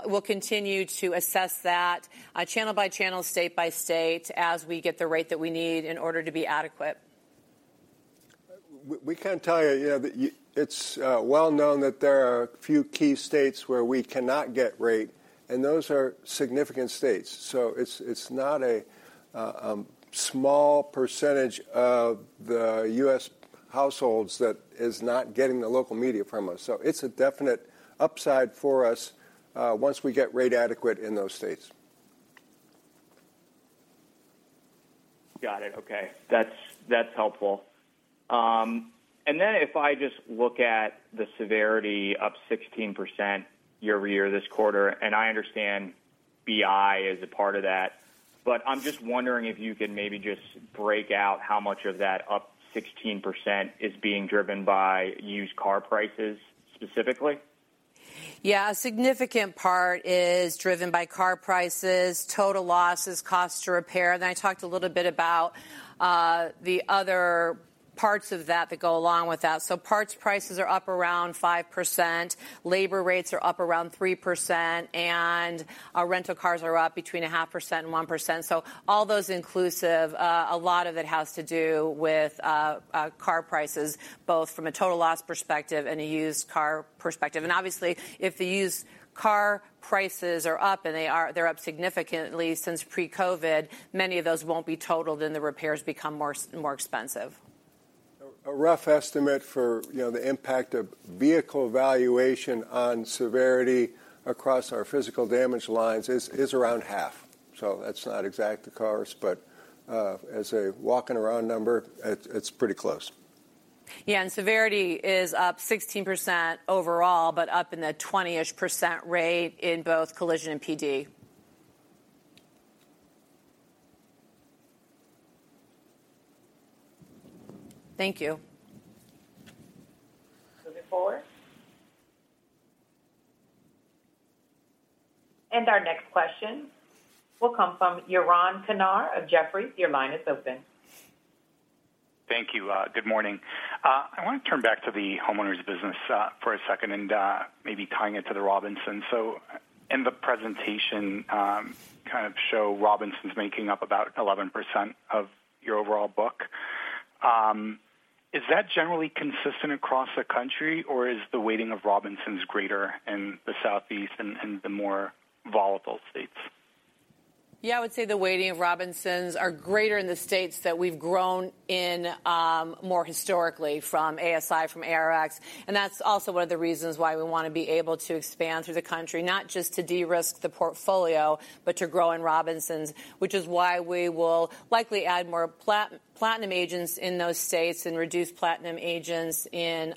we'll continue to assess that, channel by channel, state by state as we get the rate that we need in order to be adequate. We can tell you know, that it's well known that there are a few key states where we cannot get rate, and those are significant states. It's not a small percentage of the U.S. households that is not getting the local rate from us. It's a definite upside for us, once we get rate adequate in those states. Got it. Okay. That's helpful. Then if I just look at the severity up 16% year-over-year this quarter, and I understand BI is a part of that. I'm just wondering if you can maybe just break out how much of that up 16% is being driven by used car prices specifically. Yeah. A significant part is driven by car prices, total losses, cost to repair. I talked a little bit about the other parts of that that go along with that. Parts prices are up around 5%, labor rates are up around 3%, and our rental cars are up between 0.5% and 1%. All those inclusive, a lot of it has to do with car prices, both from a total loss perspective and a used car perspective. Obviously, if the used car prices are up, and they are, they're up significantly since pre-COVID, many of those won't be totaled, and the repairs become more expensive. A rough estimate for, you know, the impact of vehicle valuation on severity across our physical damage lines is around half. That's not exact to cars, but, as a walking around number, it's pretty close. Yeah. Severity is up 16% overall, but up in the 20-ish% rate in both collision and PD. Thank you. Moving forward. Our next question will come from Yaron Kinar of Jefferies. Your line is open. Thank you. Good morning. I want to turn back to the homeowners business, for a second and, maybe tying it to the Robinson. In the presentation, kind of show Robinson's making up about 11% of your overall book. Is that generally consistent across the country, or is the weighting of Robinson's greater in the Southeast and the more volatile states? Yeah. I would say the weighting of Robinsons are greater in the states that we've grown in, more historically from ASI, from ARX. That's also one of the reasons why we want to be able to expand through the country, not just to de-risk the portfolio, but to grow in Robinsons, which is why we will likely add more Platinum agents in those states and reduce Platinum agents in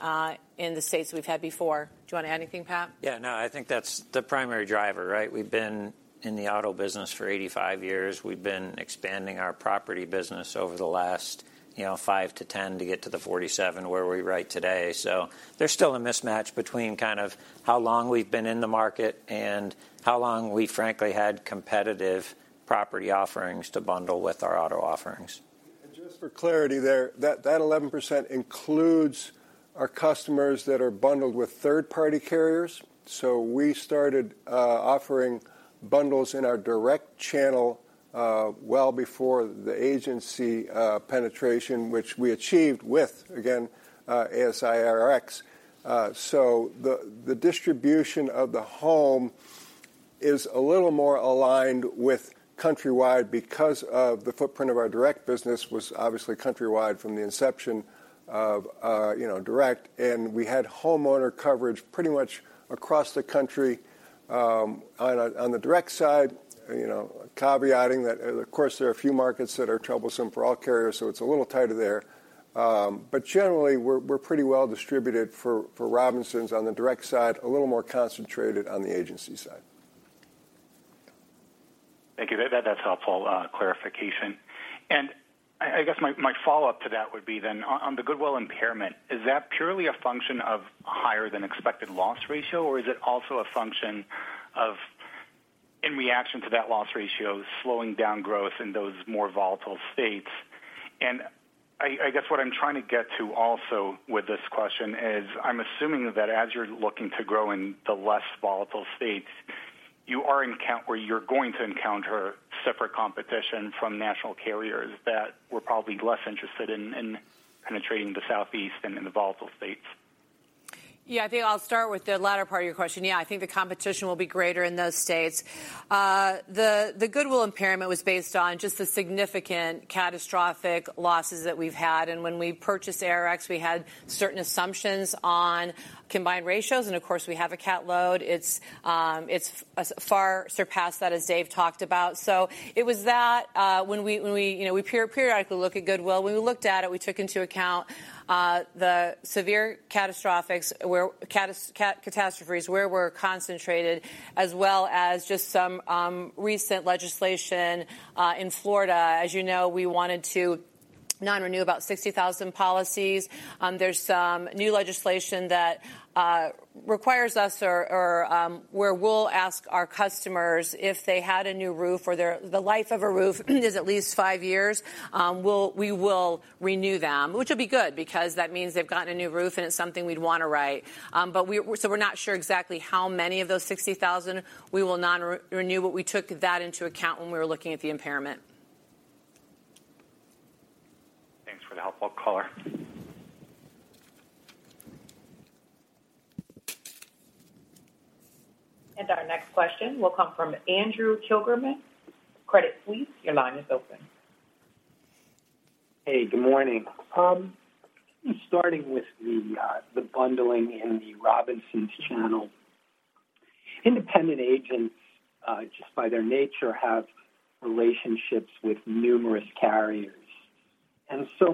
the states we've had before. Do you want to add anything, Pat? Yeah, no, I think that's the primary driver, right? We've been in the auto business for 85 years. We've been expanding our property business over the last, you know, five to 10 to get to the 47 where we're right today. There's still a mismatch between kind of how long we've been in the market and how long we frankly had competitive property offerings to bundle with our auto offerings. Just for clarity there, that 11% includes our customers that are bundled with third-party carriers. We started offering bundles in our direct channel well before the agency penetration, which we achieved with, again, ASI, ARX. The distribution of the home is a little more aligned with countrywide because of the footprint of our direct business was obviously countrywide from the inception of you know direct. We had homeowner coverage pretty much across the country. On the direct side, you know, caveating that, of course, there are a few markets that are troublesome for all carriers, so it's a little tighter there. Generally, we're pretty well distributed for Robinsons on the direct side, a little more concentrated on the agency side. Thank you. That's helpful clarification. I guess my follow-up to that would be on the goodwill impairment. Is that purely a function of higher than expected loss ratio, or is it also a function of, in reaction to that loss ratio, slowing down growth in those more volatile states? I guess what I'm trying to get to also with this question is, I'm assuming that as you're looking to grow in the less volatile states, you are going to encounter separate competition from national carriers that were probably less interested in penetrating the Southeast and in the volatile states. Yeah. I think I'll start with the latter part of your question. Yeah. I think the competition will be greater in those states. The goodwill impairment was based on just the significant catastrophic losses that we've had. When we purchased ARX, we had certain assumptions on combined ratios, and of course, we have a cat load. It's far surpassed that, as Dave talked about. It was that, when, you know, we periodically look at goodwill. When we looked at it, we took into account the severe catastrophes where we're concentrated, as well as just some recent legislation in Florida. As you know, we wanted to non-renew about 60,000 policies. There's some new legislation that requires us or where we'll ask our customers if they had a new roof or their. The life of a roof is at least five years. We will renew them, which will be good because that means they've gotten a new roof and it's something we'd want to write. We're not sure exactly how many of those 60,000 we will not renew, but we took that into account when we were looking at the impairment. Thanks for the helpful color. Our next question will come from Andrew Kligerman, Credit Suisse. Your line is open. Hey, good morning. Starting with the bundling in the Robinsons channel. Independent agents, just by their nature, have relationships with numerous carriers.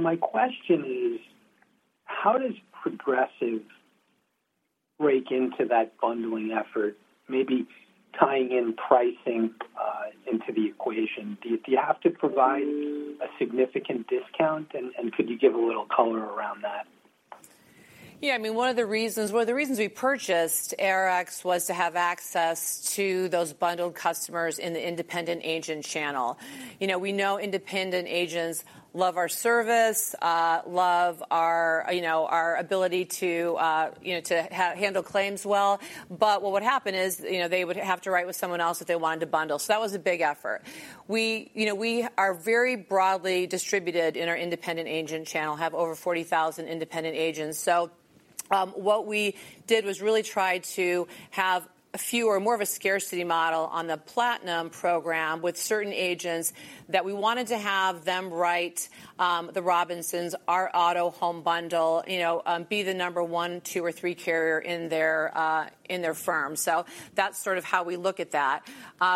My question is, how does Progressive break into that bundling effort? Maybe tying in pricing into the equation. Do you have to provide a significant discount? Could you give a little color around that? Yeah. I mean, one of the reasons we purchased ARX was to have access to those bundled customers in the independent agent channel. You know, we know independent agents love our service, love our, you know, our ability to, you know, to handle claims well. What would happen is, you know, they would have to write with someone else if they wanted to bundle. That was a big effort. You know, we are very broadly distributed in our independent agent channel, have over 40,000 independent agents. What we did was really try to have a few or more of a scarcity model on the Platinum program with certain agents that we wanted to have them write the Robinsons, our auto home bundle, you know, be the number one, two or three carrier in their firm. That's sort of how we look at that.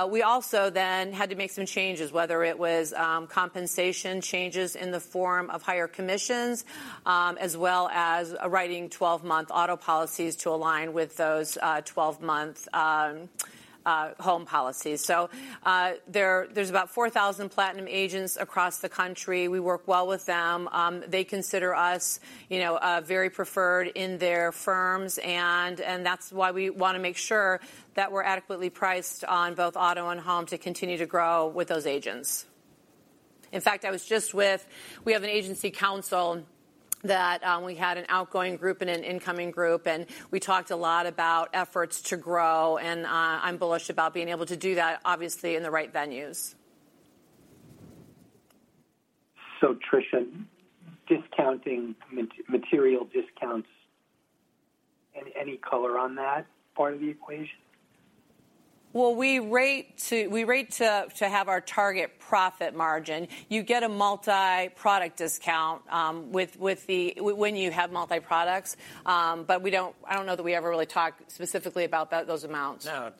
We also then had to make some changes, whether it was compensation changes in the form of higher commissions, as well as writing 12-month auto policies to align with those 12-month home policies. There's about 4,000 Platinum agents across the country. We work well with them. They consider us, you know, very preferred in their firms, and that's why we wanna make sure that we're adequately priced on both auto and home to continue to grow with those agents. In fact, I was just with. We have an agency council that we had an outgoing group and an incoming group, and we talked a lot about efforts to grow, and I'm bullish about being able to do that, obviously in the right venues. Tricia, discounting material discounts, any color on that part of the equation? Well, we rate to have our target profit margin. You get a multiproduct discount when you have multiproducts. I don't know that we ever really talked specifically about that, those amounts. No.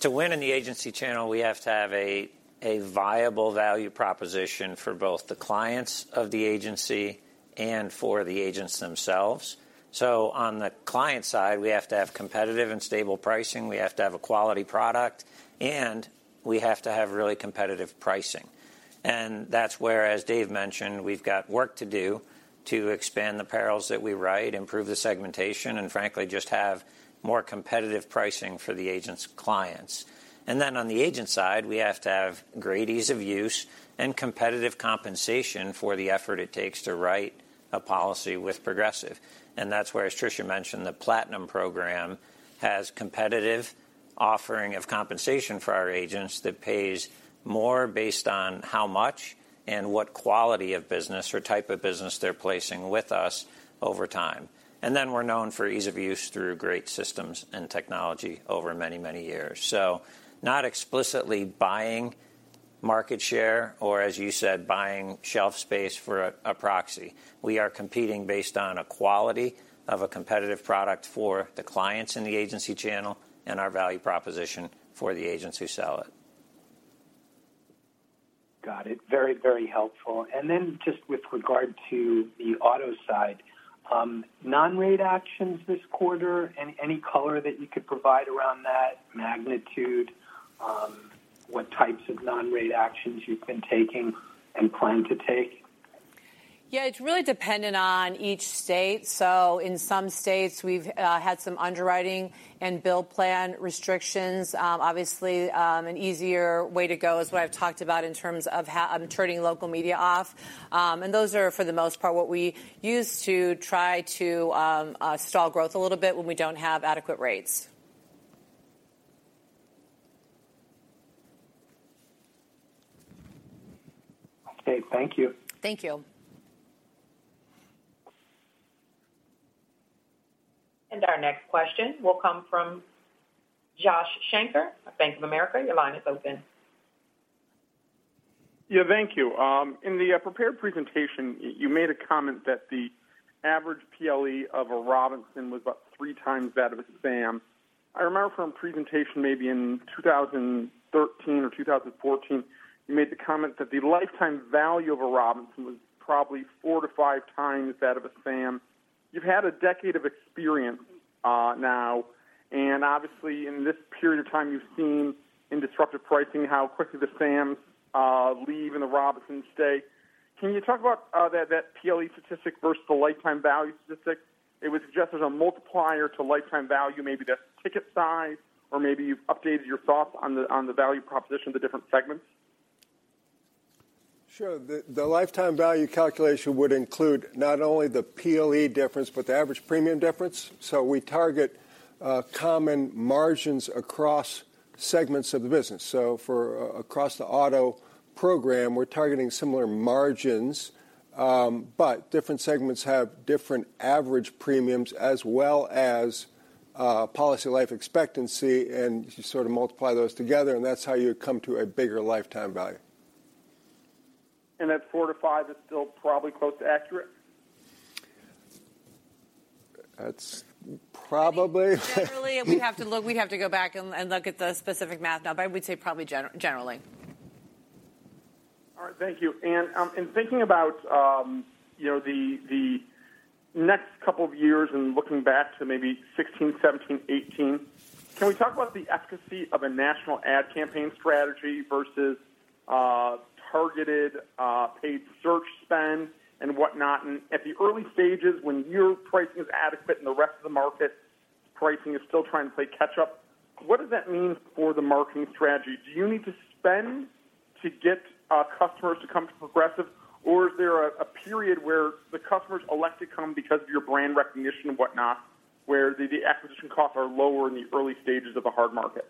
To win in the agency channel, we have to have a viable value proposition for both the clients of the agency and for the agents themselves. On the client side, we have to have competitive and stable pricing, we have to have a quality product, and we have to have really competitive pricing. That's where, as Dave mentioned, we've got work to do to expand the perils that we write, improve the segmentation, and frankly, just have more competitive pricing for the agent's clients. On the agent side, we have to have great ease of use and competitive compensation for the effort it takes to write a policy with Progressive. That's where, as Tricia mentioned, the Platinum program has competitive offering of compensation for our agents that pays more based on how much and what quality of business or type of business they're placing with us over time. Then we're known for ease of use through great systems and technology over many, many years. Not explicitly buying market share or as you said, buying shelf space for a proxy. We are competing based on a quality of a competitive product for the clients in the agency channel and our value proposition for the agents who sell it. Got it. Very, very helpful. Just with regard to the auto side, non-rate actions this quarter, any color that you could provide around that magnitude, what types of non-rate actions you've been taking and plan to take? Yeah, it's really dependent on each state. In some states we've had some underwriting and bill plan restrictions. Obviously, an easier way to go is what I've talked about in terms of turning local media off. Those are for the most part what we use to try to stall growth a little bit when we don't have adequate rates. Okay. Thank you. Thank you. Our next question will come from Joshua Shanker of Bank of America. Your line is open. Yeah. Thank you. In the prepared presentation, you made a comment that the average PLE of a Robinson was about 3x that of a Sam. I remember from presentation maybe in 2013 or 2014, you made the comment that the lifetime value of a Robinson was probably 4x-5x that of a Sam. You've had a decade of experience now, and obviously in this period of time you've seen in disruptive pricing how quickly the Sams leave and the Robinsons stay. Can you talk about that PLE statistic versus the lifetime value statistic? It was suggested a multiplier to lifetime value, maybe that's ticket size or maybe you've updated your thoughts on the value proposition of the different segments. Sure. The lifetime value calculation would include not only the PLE difference but the average premium difference. We target common margins across segments of the business. For across the auto program, we're targeting similar margins, but different segments have different average premiums as well as policy life expectancy, and you sort of multiply those together, and that's how you come to a bigger lifetime value. That 4x-5x is still probably close to accurate? That's probably. I think generally we'd have to go back and look at the specific math now, but I would say probably generally. All right. Thank you. In thinking about the next couple of years and looking back to maybe 2016, 2017, 2018, can we talk about the efficacy of a national ad campaign strategy versus targeted paid search spend and whatnot. At the early stages, when your pricing is adequate and the rest of the market's pricing is still trying to play catch up, what does that mean for the marketing strategy? Do you need to spend to get customers to come to Progressive, or is there a period where the customers elect to come because of your brand recognition and whatnot, where the acquisition costs are lower in the early stages of a hard market?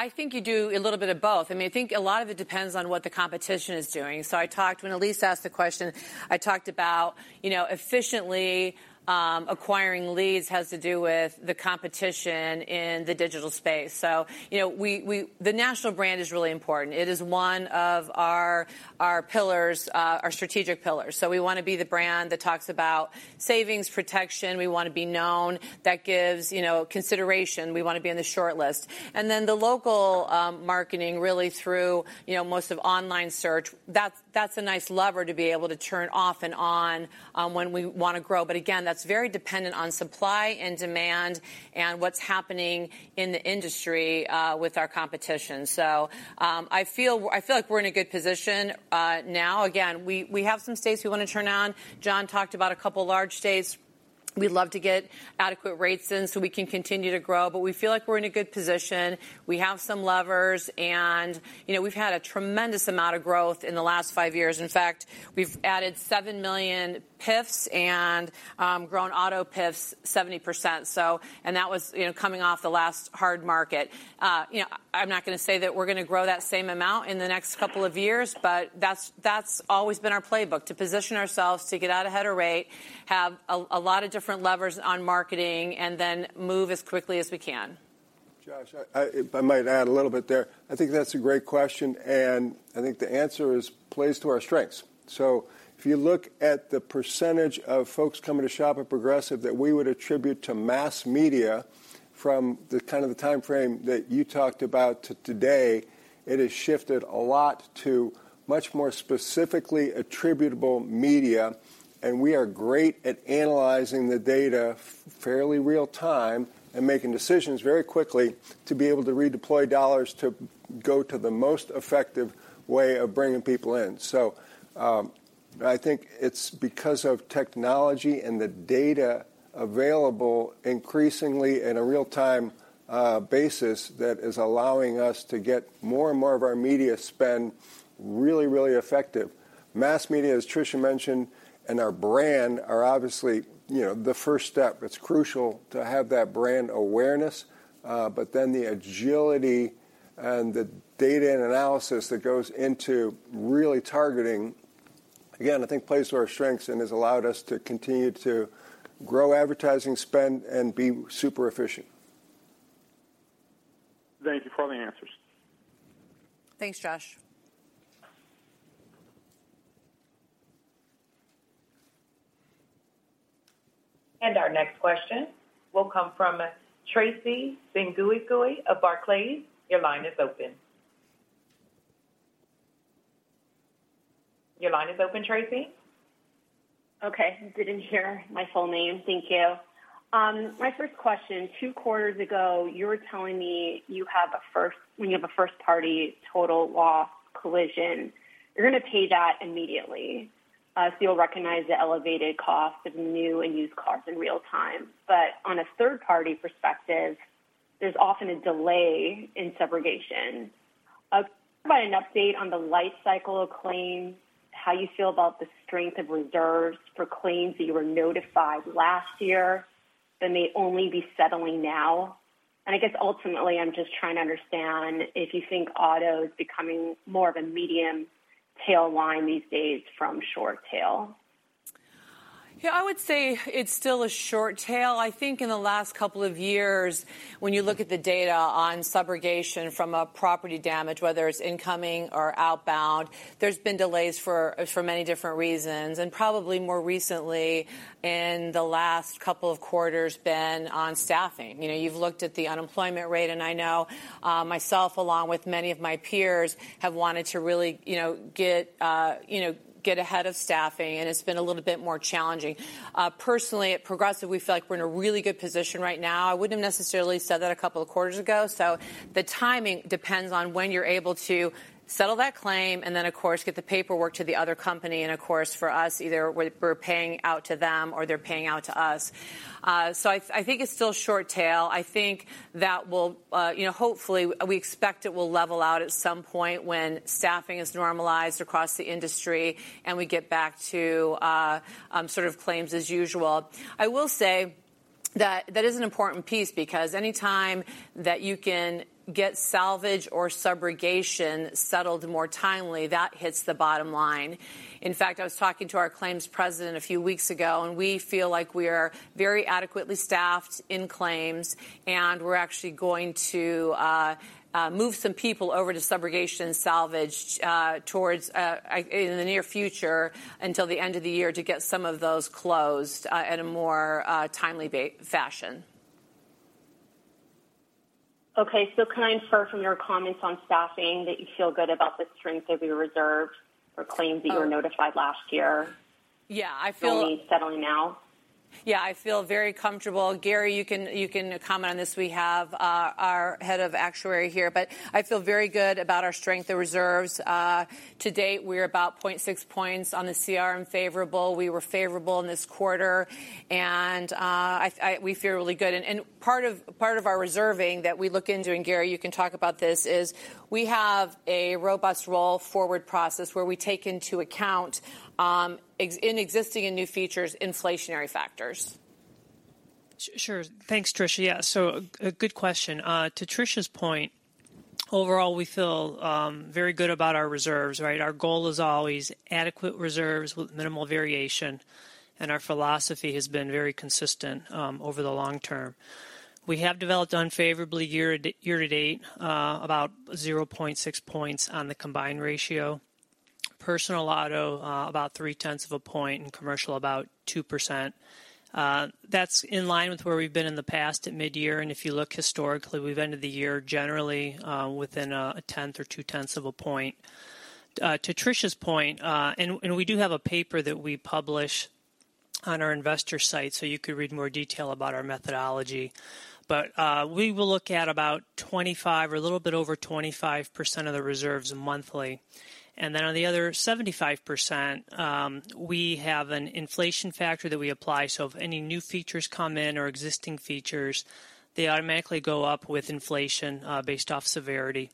I think you do a little bit of both. I mean, I think a lot of it depends on what the competition is doing. When Elyse asked the question, I talked about, you know, efficiently acquiring leads has to do with the competition in the digital space. You know, The national brand is really important. It is one of our pillars, our strategic pillars. We wanna be the brand that talks about savings protection. We wanna be known that gives, you know, consideration. We wanna be in the shortlist. Then the local marketing really through, you know, most of online search, that's a nice lever to be able to turn off and on when we wanna grow. Again, that's very dependent on supply and demand and what's happening in the industry with our competition. I feel like we're in a good position now. Again, we have some states we wanna turn on. John talked about a couple of large states we'd love to get adequate rates in so we can continue to grow. We feel like we're in a good position. We have some levers and, you know, we've had a tremendous amount of growth in the last five years. In fact, we've added 7 million PIFs and grown auto PIFs 70%. That was, you know, coming off the last hard market. You know, I'm not gonna say that we're gonna grow that same amount in the next couple of years, but that's always been our playbook, to position ourselves to get out ahead of rate, have a lot of different levers on marketing and then move as quickly as we can. Josh, if I might add a little bit there. I think that's a great question, and I think the answer is it plays to our strengths. If you look at the percentage of folks coming to shop at Progressive that we would attribute to mass media from the kind of the timeframe that you talked about to today, it has shifted a lot to much more specifically attributable media, and we are great at analyzing the data fairly real time and making decisions very quickly to be able to redeploy dollars to go to the most effective way of bringing people in. I think it's because of technology and the data available increasingly in a real-time basis that is allowing us to get more and more of our media spend really, really effective. Mass media, as Tricia mentioned, and our brand are obviously, you know, the first step. It's crucial to have that brand awareness, but then the agility and the data and analysis that goes into really targeting, again, I think plays to our strengths and has allowed us to continue to grow advertising spend and be super efficient. Thank you for all the answers. Thanks, Josh. Our next question will come from Tracy Benguigui of Barclays. Your line is open. Your line is open, Tracy. Okay. Didn't hear my full name. Thank you. My first question, two quarters ago, you were telling me when you have a first-party total loss collision, you're gonna pay that immediately, so you'll recognize the elevated cost of new and used cars in real time. On a third-party perspective, there's often a delay in subrogation. I'd provide an update on the life cycle of claims, how you feel about the strength of reserves for claims that you were notified last year that may only be settling now. I guess ultimately, I'm just trying to understand if you think auto is becoming more of a medium tail line these days from short tail. Yeah, I would say it's still a short tail. I think in the last couple of years, when you look at the data on subrogation from a property damage, whether it's incoming or outbound, there's been delays for many different reasons, and probably more recently in the last couple of quarters been on staffing. You know, you've looked at the unemployment rate, and I know, myself, along with many of my peers, have wanted to really, you know, get ahead of staffing, and it's been a little bit more challenging. Personally, at Progressive, we feel like we're in a really good position right now. I wouldn't have necessarily said that a couple of quarters ago. The timing depends on when you're able to settle that claim and then, of course, get the paperwork to the other company and of course, for us, either we're paying out to them or they're paying out to us. I think it's still short tail. I think that will, you know, hopefully, we expect it will level out at some point when staffing is normalized across the industry and we get back to, sort of claims as usual. I will say that is an important piece because any time that you can get salvage or subrogation settled more timely, that hits the bottom line. In fact, I was talking to our claims president a few weeks ago, and we feel like we are very adequately staffed in claims, and we're actually going to move some people over to subrogation salvage in the near future until the end of the year to get some of those closed at a more timely fashion. Okay. Can I infer from your comments on staffing that you feel good about the strength of your reserves or claims that you were notified last year? Yeah, I feel. You'll be settling now. Yeah, I feel very comfortable. Gary, you can comment on this. We have our head of actuary here, but I feel very good about our strength of reserves. To date, we're about 0.6 points on the CRM favorable. We were favorable in this quarter, and we feel really good. Part of our reserving that we look into, and Gary, you can talk about this, is we have a robust roll-forward process where we take into account existing and new features, inflationary factors. Sure. Thanks, Tricia. Yeah. A good question. To Tricia's point, overall, we feel very good about our reserves, right? Our goal is always adequate reserves with minimal variation, and our philosophy has been very consistent over the long term. We have developed unfavorably year to date about 0.6 points on the combined ratio. Personal auto about 0.3 of a point, and commercial about 2%. That's in line with where we've been in the past at midyear. If you look historically, we've ended the year generally within a 0.10 or 0.20 of a point. To Tricia's point, we do have a paper that we publish on our investor site, so you could read more detail about our methodology. We will look at about 25 or a little bit over 25% of the reserves monthly. Then on the other 75%, we have an inflation factor that we apply. If any new features come in or existing features, they automatically go up with inflation, based off severity.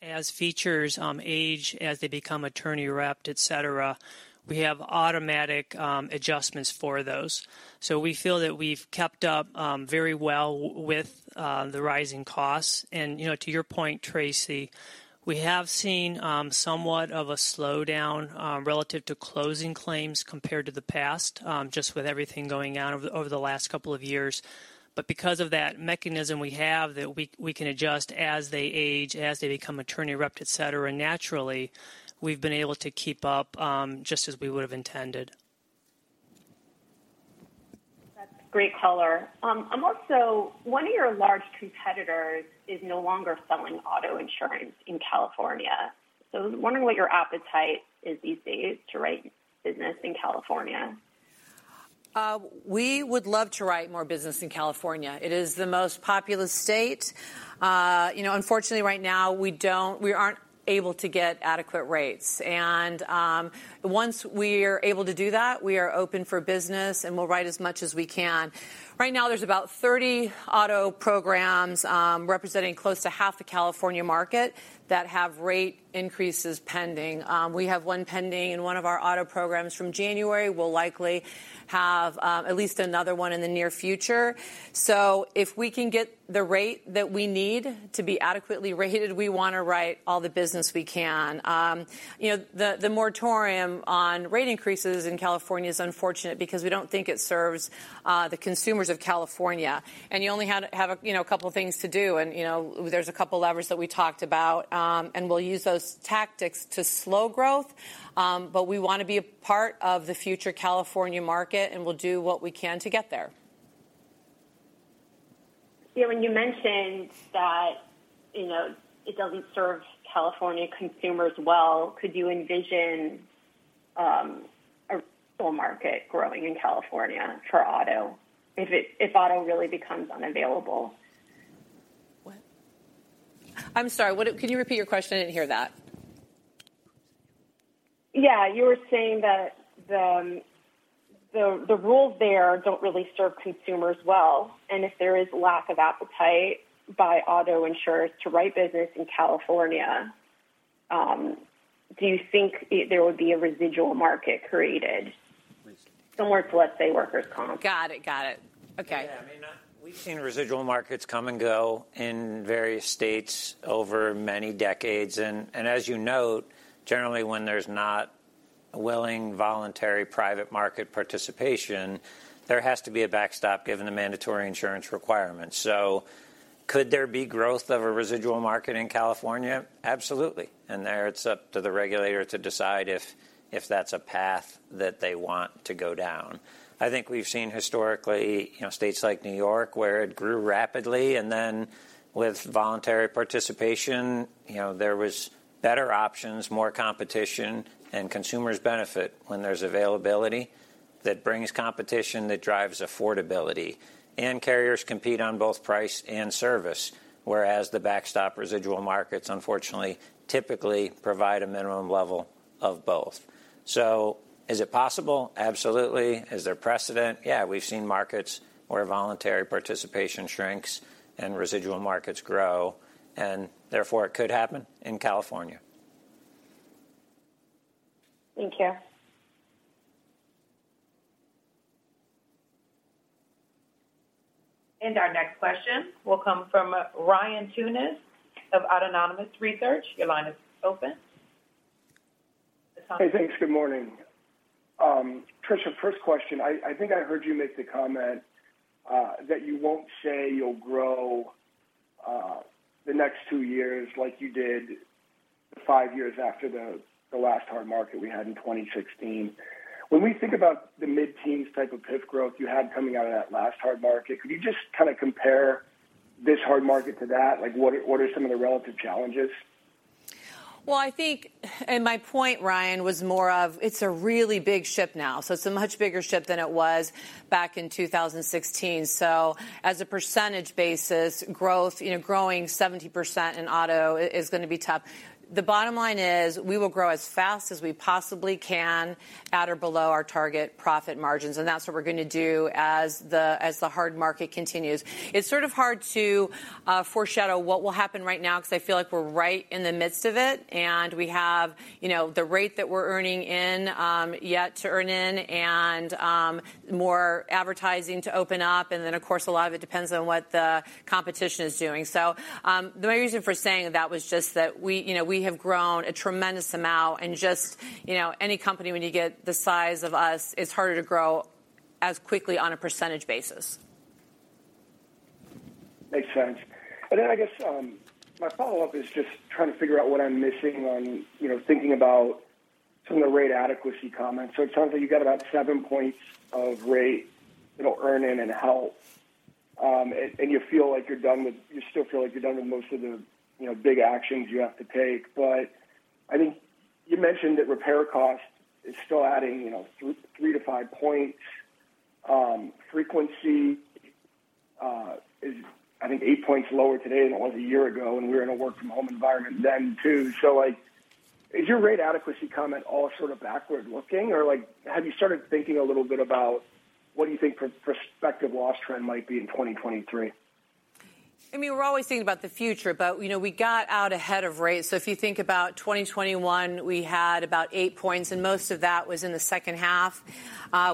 As features age, as they become attorney-repped, et cetera, we have automatic adjustments for those. We feel that we've kept up very well with the rising costs. You know, to your point, Tracy, we have seen somewhat of a slowdown relative to closing claims compared to the past, just with everything going on over the last couple of years. Because of that mechanism we have, we can adjust as they age, as they become attorney-repped, et cetera. Naturally, we've been able to keep up, just as we would've intended. That's great color. One of your large competitors is no longer selling auto insurance in California. I was wondering what your appetite is these days to write business in California. We would love to write more business in California. It is the most populous state. You know, unfortunately right now, we aren't able to get adequate rates. Once we're able to do that, we are open for business, and we'll write as much as we can. Right now, there's about 30 auto programs representing close to half the California market that have rate increases pending. We have one pending in one of our auto programs from January. We'll likely have at least another one in the near future. If we can get the rate that we need to be adequately rated, we wanna write all the business we can. You know, the moratorium on rate increases in California is unfortunate because we don't think it serves the consumers of California. You only have, you know, a couple things to do and, you know, there's a couple levers that we talked about, and we'll use those tactics to slow growth. We wanna be a part of the future California market, and we'll do what we can to get there. Yeah, when you mentioned that, you know, it doesn't serve California consumers well, could you envision a whole market growing in California for auto if auto really becomes unavailable? What? I'm sorry. Could you repeat your question? I didn't hear that. Yeah. You were saying that the rules there don't really serve consumers well, and if there is lack of appetite by auto insurers to write business in California, do you think there would be a residual market created? Residual. Similar to, let's say, workers' comp. Got it. Okay. Yeah. I mean, we've seen residual markets come and go in various states over many decades. As you note, generally when there's not willing voluntary private market participation, there has to be a backstop given the mandatory insurance requirements. Could there be growth of a residual market in California? Absolutely. There it's up to the regulator to decide if that's a path that they want to go down. I think we've seen historically, you know, states like New York where it grew rapidly and then with voluntary participation, you know, there was better options, more competition, and consumers benefit when there's availability that brings competition that drives affordability. Carriers compete on both price and service, whereas the backstop residual markets, unfortunately, typically provide a minimum level of both. Is it possible? Absolutely. Is there precedent? Yeah. We've seen markets where voluntary participation shrinks and residual markets grow, and therefore it could happen in California. Thank you. Our next question will come from Ryan Tunis of Autonomous Research. Your line is open. Hey, thanks. Good morning. Tricia, first question. I think I heard you make the comment that you won't say you'll grow the next two years like you did. Five years after the last hard market we had in 2016. When we think about the mid-teens% type of PIF growth you had coming out of that last hard market, could you just kind of compare this hard market to that? Like what are some of the relative challenges? Well, I think, and my point, Ryan, was more of it's a really big ship now. It's a much bigger ship than it was back in 2016. As a percentage basis, growth, you know, growing 70% in auto is gonna be tough. The bottom line is we will grow as fast as we possibly can at or below our target profit margins, and that's what we're gonna do as the hard market continues. It's sort of hard to foreshadow what will happen right now because I feel like we're right in the midst of it, and we have, you know, the rate that we're earning in, yet to earn in and, more advertising to open up. Of course, a lot of it depends on what the competition is doing. My reason for saying that was just that we, you know, we have grown a tremendous amount and just, you know, any company when you get the size of us, it's harder to grow as quickly on a percentage basis. Makes sense. I guess my follow-up is just trying to figure out what I'm missing on, you know, thinking about some of the rate adequacy comments. It sounds like you've got about 7 points of rate, you know, earn in and out. You feel like you're done. You still feel like you're done with most of the, you know, big actions you have to take. I think you mentioned that repair cost is still adding, you know, 3-5 points. Frequency is I think 8 points lower today than it was a year ago, and we're in a work-from-home environment then too. Like, is your rate adequacy comment all sort of backward-looking? Or, like, have you started thinking a little bit about what do you think prospective loss trend might be in 2023? I mean, we're always thinking about the future, but, you know, we got out ahead of rates. If you think about 2021, we had about 8%, and most of that was in the second half.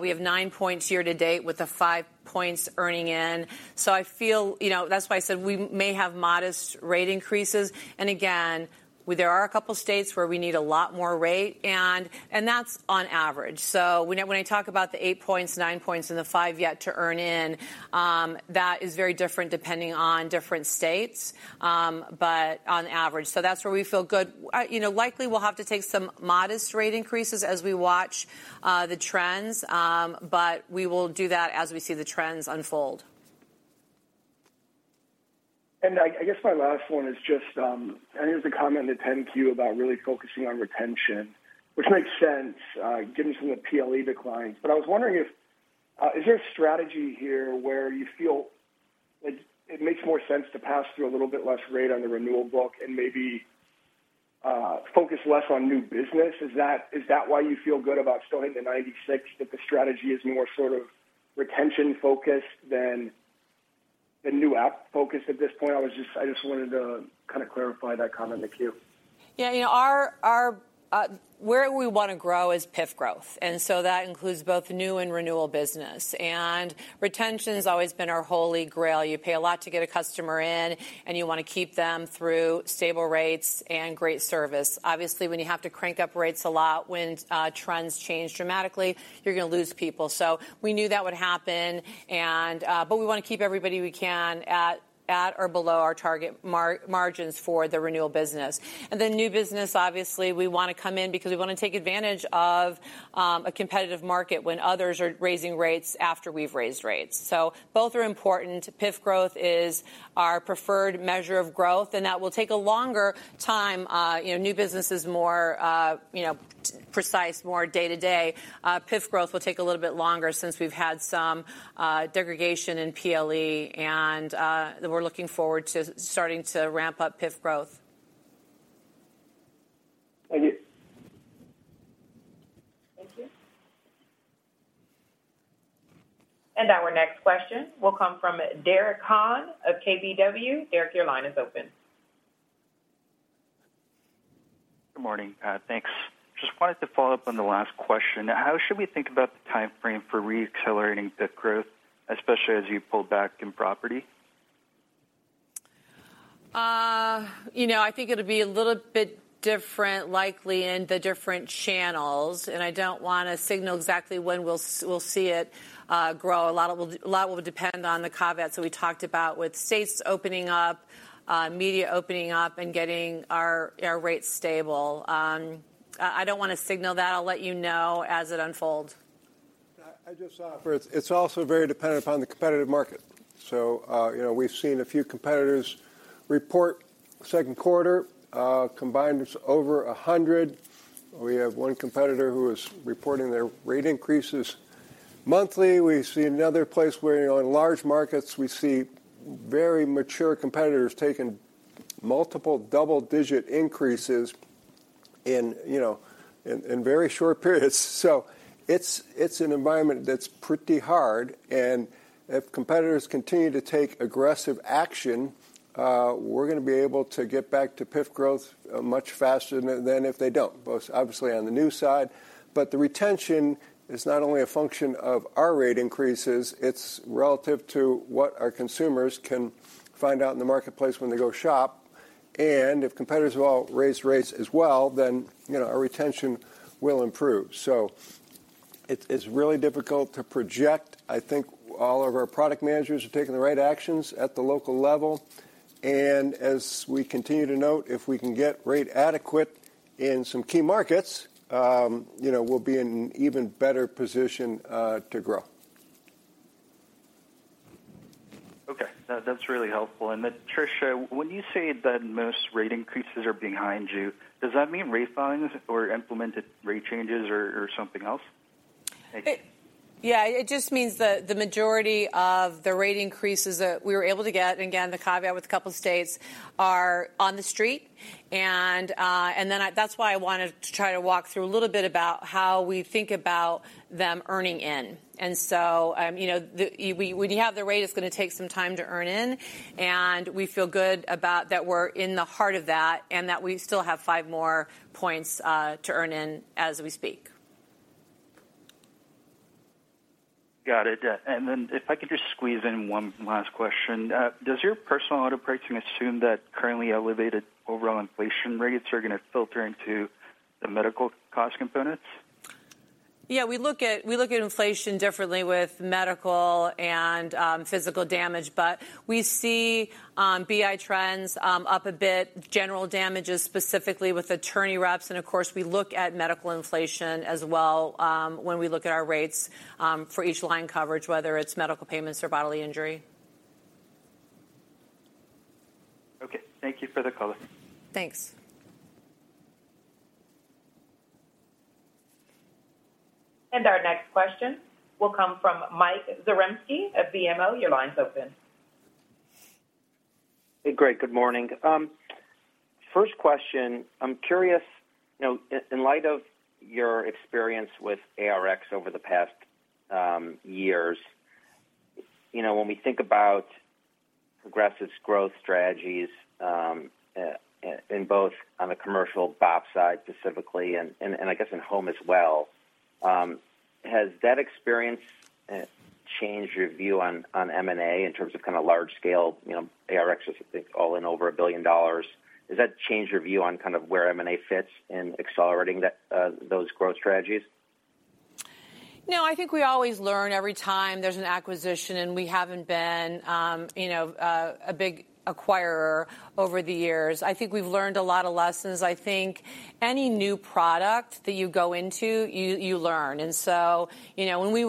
We have 9% year to date with the 5% earning in. I feel, you know, that's why I said we may have modest rate increases. Again, there are a couple states where we need a lot more rate, and that's on average. When I talk about the 8%, 9% and the 5% yet to earn in, that is very different depending on different states, but on average. That's where we feel good. You know, likely we'll have to take some modest rate increases as we watch the trends, but we will do that as we see the trends unfold. I guess my last one is just, I know there's a comment in the 10-Q about really focusing on retention, which makes sense, given some of the PLE declines. I was wondering if there is a strategy here where you feel it makes more sense to pass through a little bit less rate on the renewal book and maybe focus less on new business? Is that why you feel good about still hitting the 96%, that the strategy is more sort of retention-focused than the new app focus at this point? I just wanted to kind of clarify that comment in the 10-Q. Yeah, you know, where we want to grow is PIF growth, and so that includes both new and renewal business. Retention has always been our holy grail. You pay a lot to get a customer in, and you want to keep them through stable rates and great service. Obviously, when you have to crank up rates a lot, when trends change dramatically, you're going to lose people. We knew that would happen, but we want to keep everybody we can at or below our target margins for the renewal business. Then new business, obviously, we want to come in because we want to take advantage of a competitive market when others are raising rates after we've raised rates. Both are important. PIF growth is our preferred measure of growth, and that will take a longer time. You know, new business is more, you know, precise, more day-to-day. PIF growth will take a little bit longer since we've had some degradation in PLE and we're looking forward to starting to ramp up PIF growth. Thank you. Thank you. Our next question will come from Derek Han of KBW. Derek, your line is open. Good morning. Thanks. Just wanted to follow up on the last question. How should we think about the timeframe for reaccelerating PIF growth, especially as you pull back in property? You know, I think it'll be a little bit different likely in the different channels, and I don't want to signal exactly when we'll see it grow. A lot will depend on the caveats that we talked about with states opening up, media opening up and getting our rates stable. I don't want to signal that. I'll let you know as it unfolds. I'd just offer, it's also very dependent upon the competitive market. We've seen a few competitors report second quarter combined over 100. We have one competitor who is reporting their rate increases monthly. We see another place where in large markets we see very mature competitors taking multiple double-digit increases in very short periods. It's an environment that's pretty hard. If competitors continue to take aggressive action, we're gonna be able to get back to PIF growth much faster than if they don't, both obviously on the new side. The retention is not only a function of our rate increases, it's relative to what our consumers can find out in the marketplace when they go shop. If competitors will raise rates as well, then, you know, our retention will improve. It's really difficult to project. I think all of our product managers are taking the right actions at the local level. As we continue to note, if we can get rate adequate in some key markets, you know, we'll be in even better position to grow. Okay. That, that's really helpful. Then Tricia, when you say that most rate increases are behind you, does that mean re-filings or implemented rate changes or something else? Yeah. It just means the majority of the rate increases that we were able to get, and again, the caveat with a couple states, are on the street. That's why I wanted to try to walk through a little bit about how we think about them earning in. You know, when you have the rate, it's gonna take some time to earn in, and we feel good about that we're in the heart of that, and that we still have 5 more points to earn in as we speak. Got it. Yeah. If I could just squeeze in one last question. Does your personal auto pricing assume that currently elevated overall inflation rates are gonna filter into the medical cost components? Yeah. We look at inflation differently with medical and physical damage, but we see BI trends up a bit, general damages, specifically with attorney reps. Of course, we look at medical inflation as well, when we look at our rates for each line coverage, whether it's medical payments or bodily injury. Okay. Thank you for the color. Thanks. Our next question will come from Michael Zaremski at BMO. Your line's open. Hey, great. Good morning. First question, I'm curious, you know, in light of your experience with ARX over the past years, you know, when we think about Progressive's growth strategies, in both on the commercial BOP side specifically and I guess in home as well, has that experience changed your view on M&A in terms of kind of large scale, you know, ARX is, I think all in over $1 billion. Has that changed your view on kind of where M&A fits in accelerating those growth strategies? No, I think we always learn every time there's an acquisition, and we haven't been, you know, a big acquirer over the years. I think we've learned a lot of lessons. I think any new product that you go into, you learn. You know, when we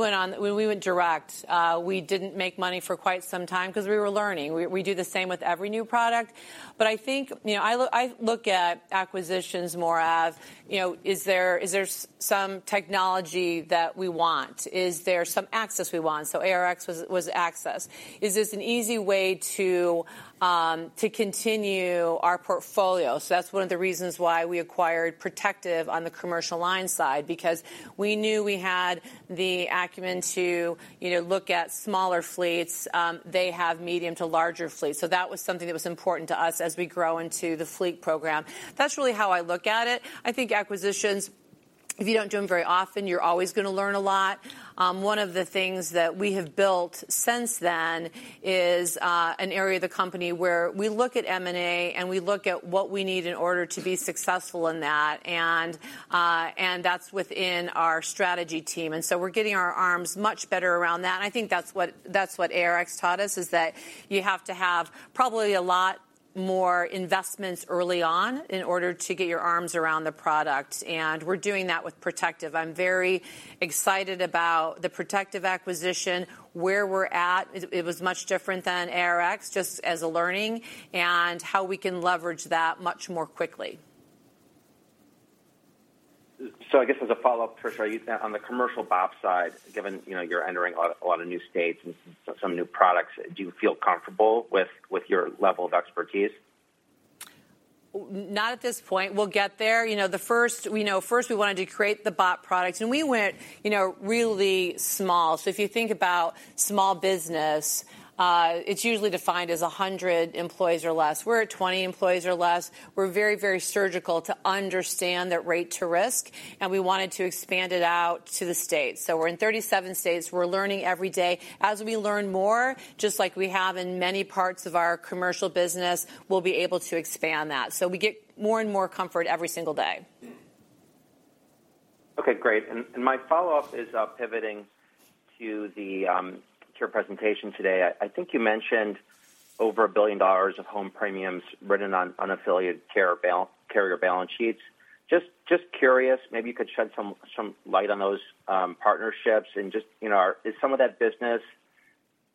went direct, we didn't make money for quite some time because we were learning. We do the same with every new product. I think, you know, I look at acquisitions more of, you know, is there some technology that we want? Is there some access we want? ARX was access. Is this an easy way to continue our portfolio? That's one of the reasons why we acquired Protective on the commercial line side because we knew we had the acumen to, you know, look at smaller fleets. They have medium to larger fleets. That was something that was important to us as we grow into the fleet program. That's really how I look at it. I think acquisitions, if you don't do them very often, you're always gonna learn a lot. One of the things that we have built since then is an area of the company where we look at M&A, and we look at what we need in order to be successful in that. That's within our strategy team. We're getting our arms much better around that, and I think that's what ARX taught us, is that you have to have probably a lot more investments early on in order to get our arms around the product. We're doing that with Protective. I'm very excited about the Protective acquisition, where we're at. It was much different than ARX, just as a learning, and how we can leverage that much more quickly. I guess as a follow-up, Tricia, on the commercial BOP side, given, you know, you're entering a lot of new states and some new products, do you feel comfortable with your level of expertise? Not at this point. We'll get there. You know, first we wanted to create the BOP product, and we went, you know, really small. If you think about small business, it's usually defined as 100 employees or less. We're at 20 employees or less. We're very, very surgical to understand that rate to risk, and we wanted to expand it out to the states. We're in 37 states. We're learning every day. As we learn more, just like we have in many parts of our commercial business, we'll be able to expand that. We get more and more comfort every single day. Okay, great. My follow-up is pivoting to your presentation today. I think you mentioned over $1 billion of home premiums written on unaffiliated carrier balance sheets. Just curious, maybe you could shed some light on those partnerships and just, you know, is some of that business,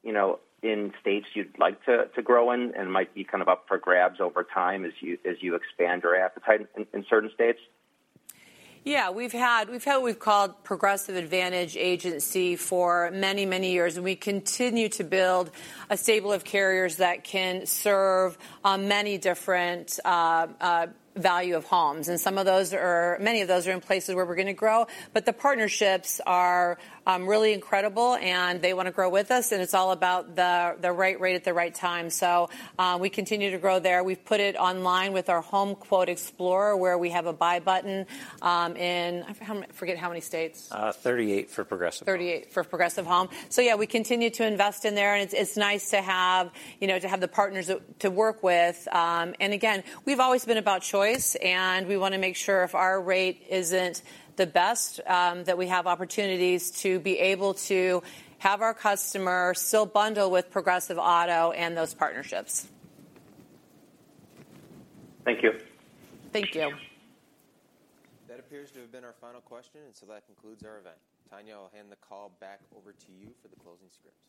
you know, in states you'd like to grow in and might be kind of up for grabs over time as you expand your appetite in certain states? Yeah. We've had what we've called Progressive Advantage Agency for many, many years, and we continue to build a stable of carriers that can serve many different values of homes. Many of those are in places where we're gonna grow. The partnerships are really incredible, and they wanna grow with us, and it's all about the right rate at the right time. We continue to grow there. We've put it online with our HomeQuote Explorer, where we have a buy button in I forget how many states. 38 for Progressive Home. 38 for Progressive Home. Yeah, we continue to invest in there, and it's nice to have, you know, to have the partners to work with. Again, we've always been about choice, and we wanna make sure if our rate isn't the best, that we have opportunities to be able to have our customer still bundle with Progressive Auto and those partnerships. Thank you. Thank you. That appears to have been our final question, and so that concludes our event. Tanya, I'll hand the call back over to you for the closing scripts.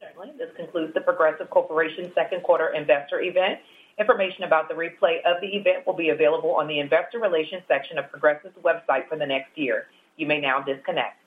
Certainly. This concludes The Progressive Corporation's second quarter investor event. Information about the replay of the event will be available on the investor relations section of Progressive's website for the next year. You may now disconnect.